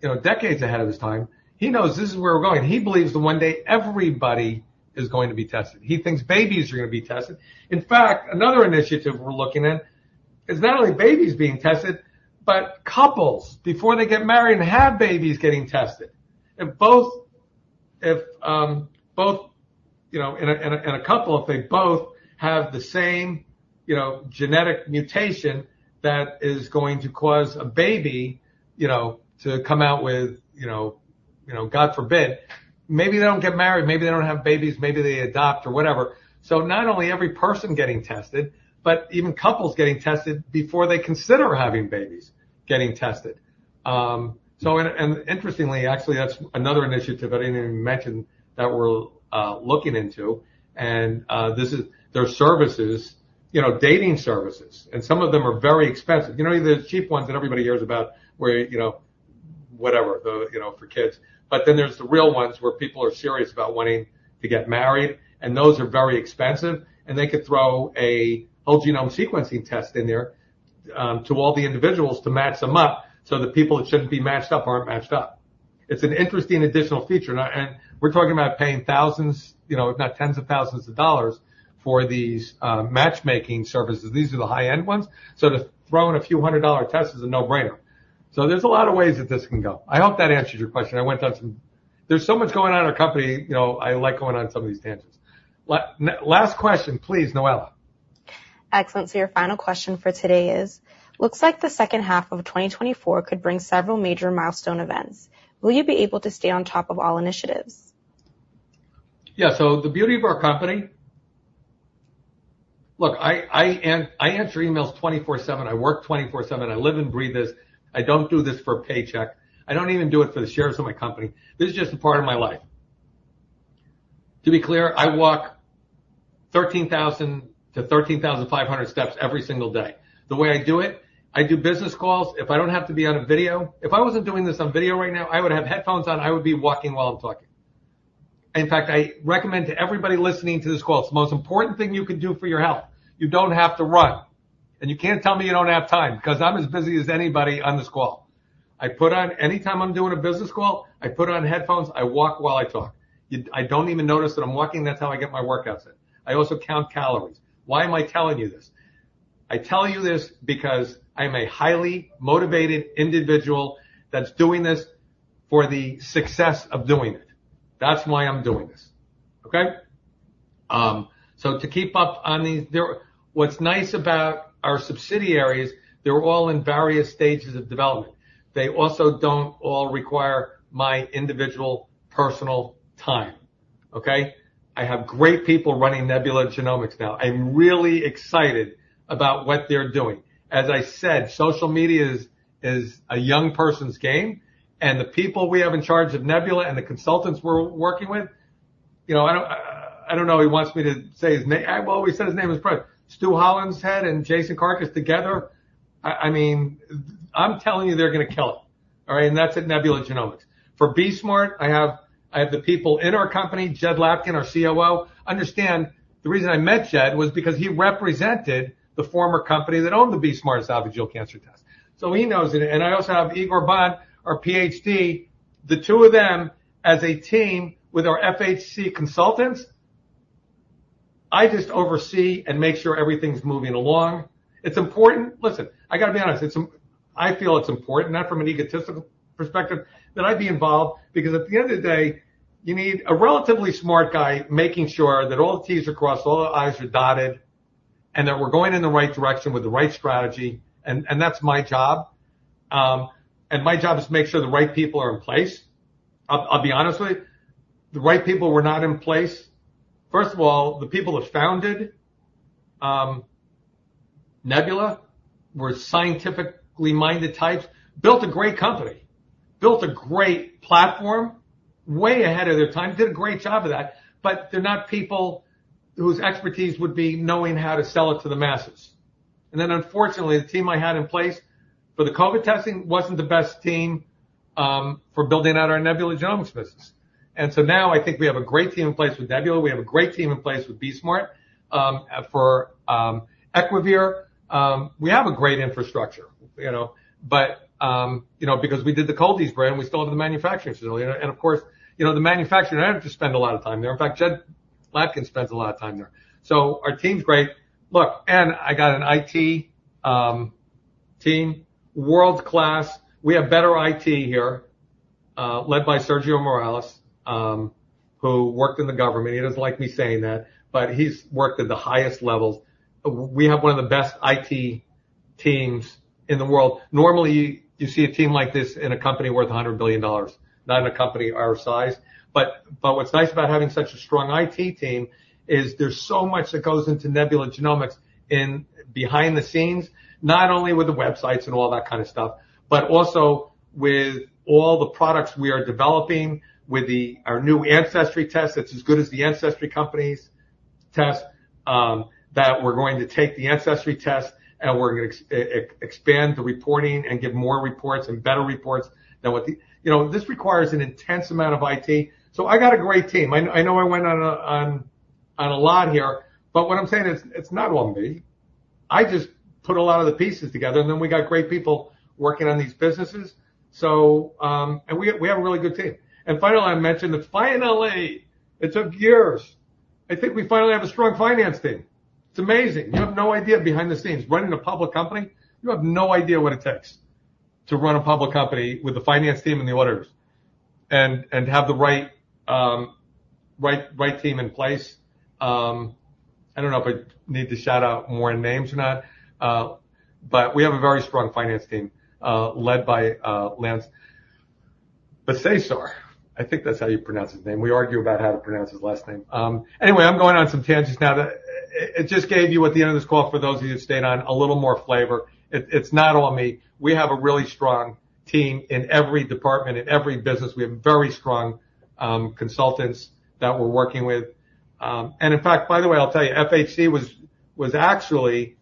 you know, decades ahead of his time. He knows this is where we're going. He believes that one day everybody is going to be tested. He thinks babies are gonna be tested. In fact, another initiative we're looking at is not only babies being tested, but couples, before they get married and have babies, getting tested. If both, you know, in a couple, if they both have the same, you know, genetic mutation that is going to cause a baby, you know, to come out with, you know, God forbid, maybe they don't get married, maybe they don't have babies, maybe they adopt or whatever. So not only every person getting tested, but even couples getting tested before they consider having babies, getting tested. So, and interestingly, actually, that's another initiative I didn't even mention that we're looking into, and this is... There are services, you know, dating services, and some of them are very expensive. You know, there's cheap ones that everybody hears about where, you know, whatever, the, you know, for kids. But then there's the real ones where people are serious about wanting to get married, and those are very expensive, and they could throw a whole genome sequencing test in there, to all the individuals to match them up so the people that shouldn't be matched up aren't matched up. It's an interesting additional feature, and we're talking about paying thousands, you know, if not tens of thousands of dollars for these matchmaking services. These are the high-end ones, so to throw in a few hundred-dollar test is a no-brainer. So there's a lot of ways that this can go. I hope that answers your question. I went on some... There's so much going on in our company, you know, I like going on some of these tangents. Last question, please, Noella. Excellent. So your final question for today is: Looks like the second half of 2024 could bring several major milestone events. Will you be able to stay on top of all initiatives? Yeah. So the beauty of our company... Look, I answer emails 24/7. I work 24/7. I live and breathe this. I don't do this for a paycheck. I don't even do it for the shares of my company. This is just a part of my life. To be clear, I walk 13,000-13,500 steps every single day. The way I do it, I do business calls. If I don't have to be on a video, if I wasn't doing this on video right now, I would have headphones on, I would be walking while I'm talking.... In fact, I recommend to everybody listening to this call, it's the most important thing you can do for your health. You don't have to run, and you can't tell me you don't have time, 'cause I'm as busy as anybody on this call. I put on. Anytime I'm doing a business call, I put on headphones, I walk while I talk. You. I don't even notice that I'm walking. That's how I get my workouts in. I also count calories. Why am I telling you this? I tell you this because I am a highly motivated individual that's doing this for the success of doing it. That's why I'm doing this, okay? So to keep up on these, what's nice about our subsidiaries, they're all in various stages of development. They also don't all require my individual personal time, okay? I have great people running Nebula Genomics now. I'm really excited about what they're doing. As I said, social media is a young person's game, and the people we have in charge of Nebula and the consultants we're working with, you know, I don't know if he wants me to say his name. Well, we said his name is Brent. Stu Hollenshead and Jason Karkus together, I mean, I'm telling you, they're gonna kill it, all right? And that's at Nebula Genomics. For BE-Smart, I have the people in our company, Jed Latkin, our COO. Understand, the reason I met Jed was because he represented the former company that owned the BE-Smart esophageal cancer test, so he knows it. And I also have Igor Ponomarev, our PhD. The two of them, as a team with our FHC consultants, I just oversee and make sure everything's moving along. It's important... Listen, I gotta be honest, it's important. I feel it's important, not from an egotistical perspective, that I be involved, because at the end of the day, you need a relatively smart guy making sure that all the T's are crossed, all the I's are dotted, and that we're going in the right direction with the right strategy, and that's my job. And my job is to make sure the right people are in place. I'll be honest with you, the right people were not in place. First of all, the people that founded Nebula were scientifically-minded types, built a great company, built a great platform way ahead of their time, did a great job of that, but they're not people whose expertise would be knowing how to sell it to the masses. And then, unfortunately, the team I had in place for the COVID testing wasn't the best team for building out our Nebula Genomics business. And so now I think we have a great team in place with Nebula. We have a great team in place with BE-Smart. For Equivir, we have a great infrastructure, you know, but you know, because we did the Cold-EEZE brand, we still have the manufacturing facility. And of course, you know, the manufacturing, I don't have to spend a lot of time there. In fact, Jed Latkin spends a lot of time there. So our team's great. Look, and I got an IT team, world-class. We have better IT here, led by Sergio Miralles, who worked in the government. He doesn't like me saying that, but he's worked at the highest levels. We have one of the best IT teams in the world. Normally, you see a team like this in a company worth $100 billion, not in a company our size. But what's nice about having such a strong IT team is there's so much that goes into Nebula Genomics behind the scenes, not only with the websites and all that kind of stuff, but also with all the products we are developing with our new ancestry test, that's as good as the Ancestry company's test, that we're going to take the ancestry test, and we're gonna expand the reporting and give more reports and better reports than what the... You know, this requires an intense amount of IT, so I got a great team. I know I went on a lot here, but what I'm saying is, it's not all me. I just put a lot of the pieces together, and then we got great people working on these businesses. So, and we have a really good team. And finally, I mentioned that finally, it took years, I think we finally have a strong finance team. It's amazing. You have no idea behind the scenes, running a public company, you have no idea what it takes to run a public company with a finance team and the auditors and have the right team in place. I don't know if I need to shout out more names or not, but we have a very strong finance team, led by Lance Bacy. I think that's how you pronounce his name. We argue about how to pronounce his last name. Anyway, I'm going on some tangents now. It just gave you, at the end of this call, for those of you who stayed on, a little more flavor. It's not all me. We have a really strong team in every department, in every business. We have very strong consultants that we're working with. And in fact, by the way, I'll tell you, FHC was actually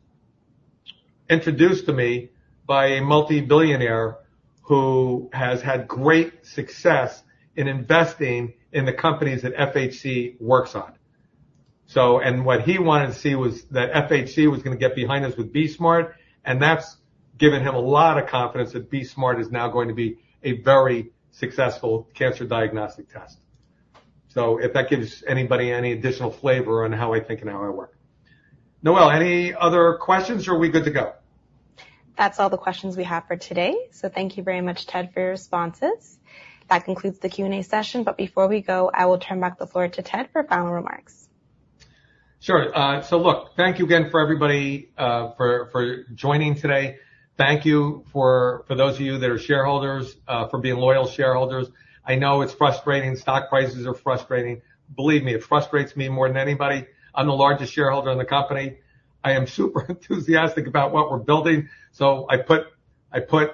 introduced to me by a multi-billionaire who has had great success in investing in the companies that FHC works on. So, and what he wanted to see was that FHC was gonna get behind us with BE-Smart, and that's given him a lot of confidence that BE-Smart is now going to be a very successful cancer diagnostic test. So if that gives anybody any additional flavor on how I think and how I work. Noella, any other questions, or are we good to go? That's all the questions we have for today. So thank you very much, Ted, for your responses. That concludes the Q&A session, but before we go, I will turn back the floor to Ted for final remarks. Sure. So look, thank you again for everybody for joining today. Thank you for those of you that are shareholders for being loyal shareholders. I know it's frustrating. Stock prices are frustrating. Believe me, it frustrates me more than anybody. I'm the largest shareholder in the company. I am super enthusiastic about what we're building, so I put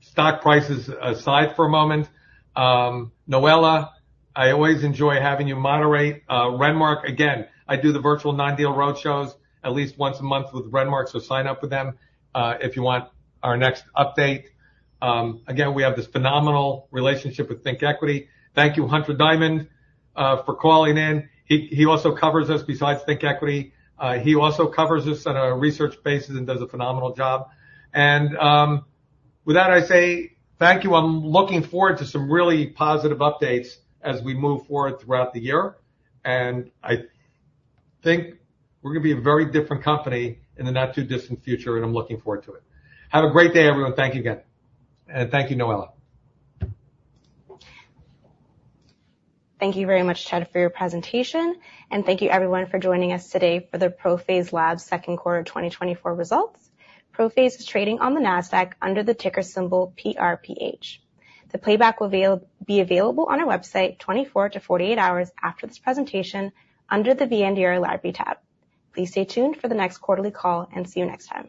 stock prices aside for a moment. Noella, I always enjoy having you moderate. Renmark, again, I do the virtual non-deal road shows at least once a month with Renmark, so sign up with them if you want our next update. Again, we have this phenomenal relationship with ThinkEquity. Thank you, Hunter Diamond, for calling in. He also covers us besides ThinkEquity. He also covers us on a research basis and does a phenomenal job. With that, I say thank you. I'm looking forward to some really positive updates as we move forward throughout the year, and I think we're gonna be a very different company in the not-too-distant future, and I'm looking forward to it. Have a great day, everyone. Thank you again, and thank you, Noella. Thank you very much, Ted, for your presentation, and thank you everyone for joining us today for the ProPhase Labs second quarter of 2024 results. ProPhase is trading on the NASDAQ under the ticker symbol PRPH. The playback will be available on our website, 24-48 hours after this presentation under the Investor Library tab. Please stay tuned for the next quarterly call, and see you next time.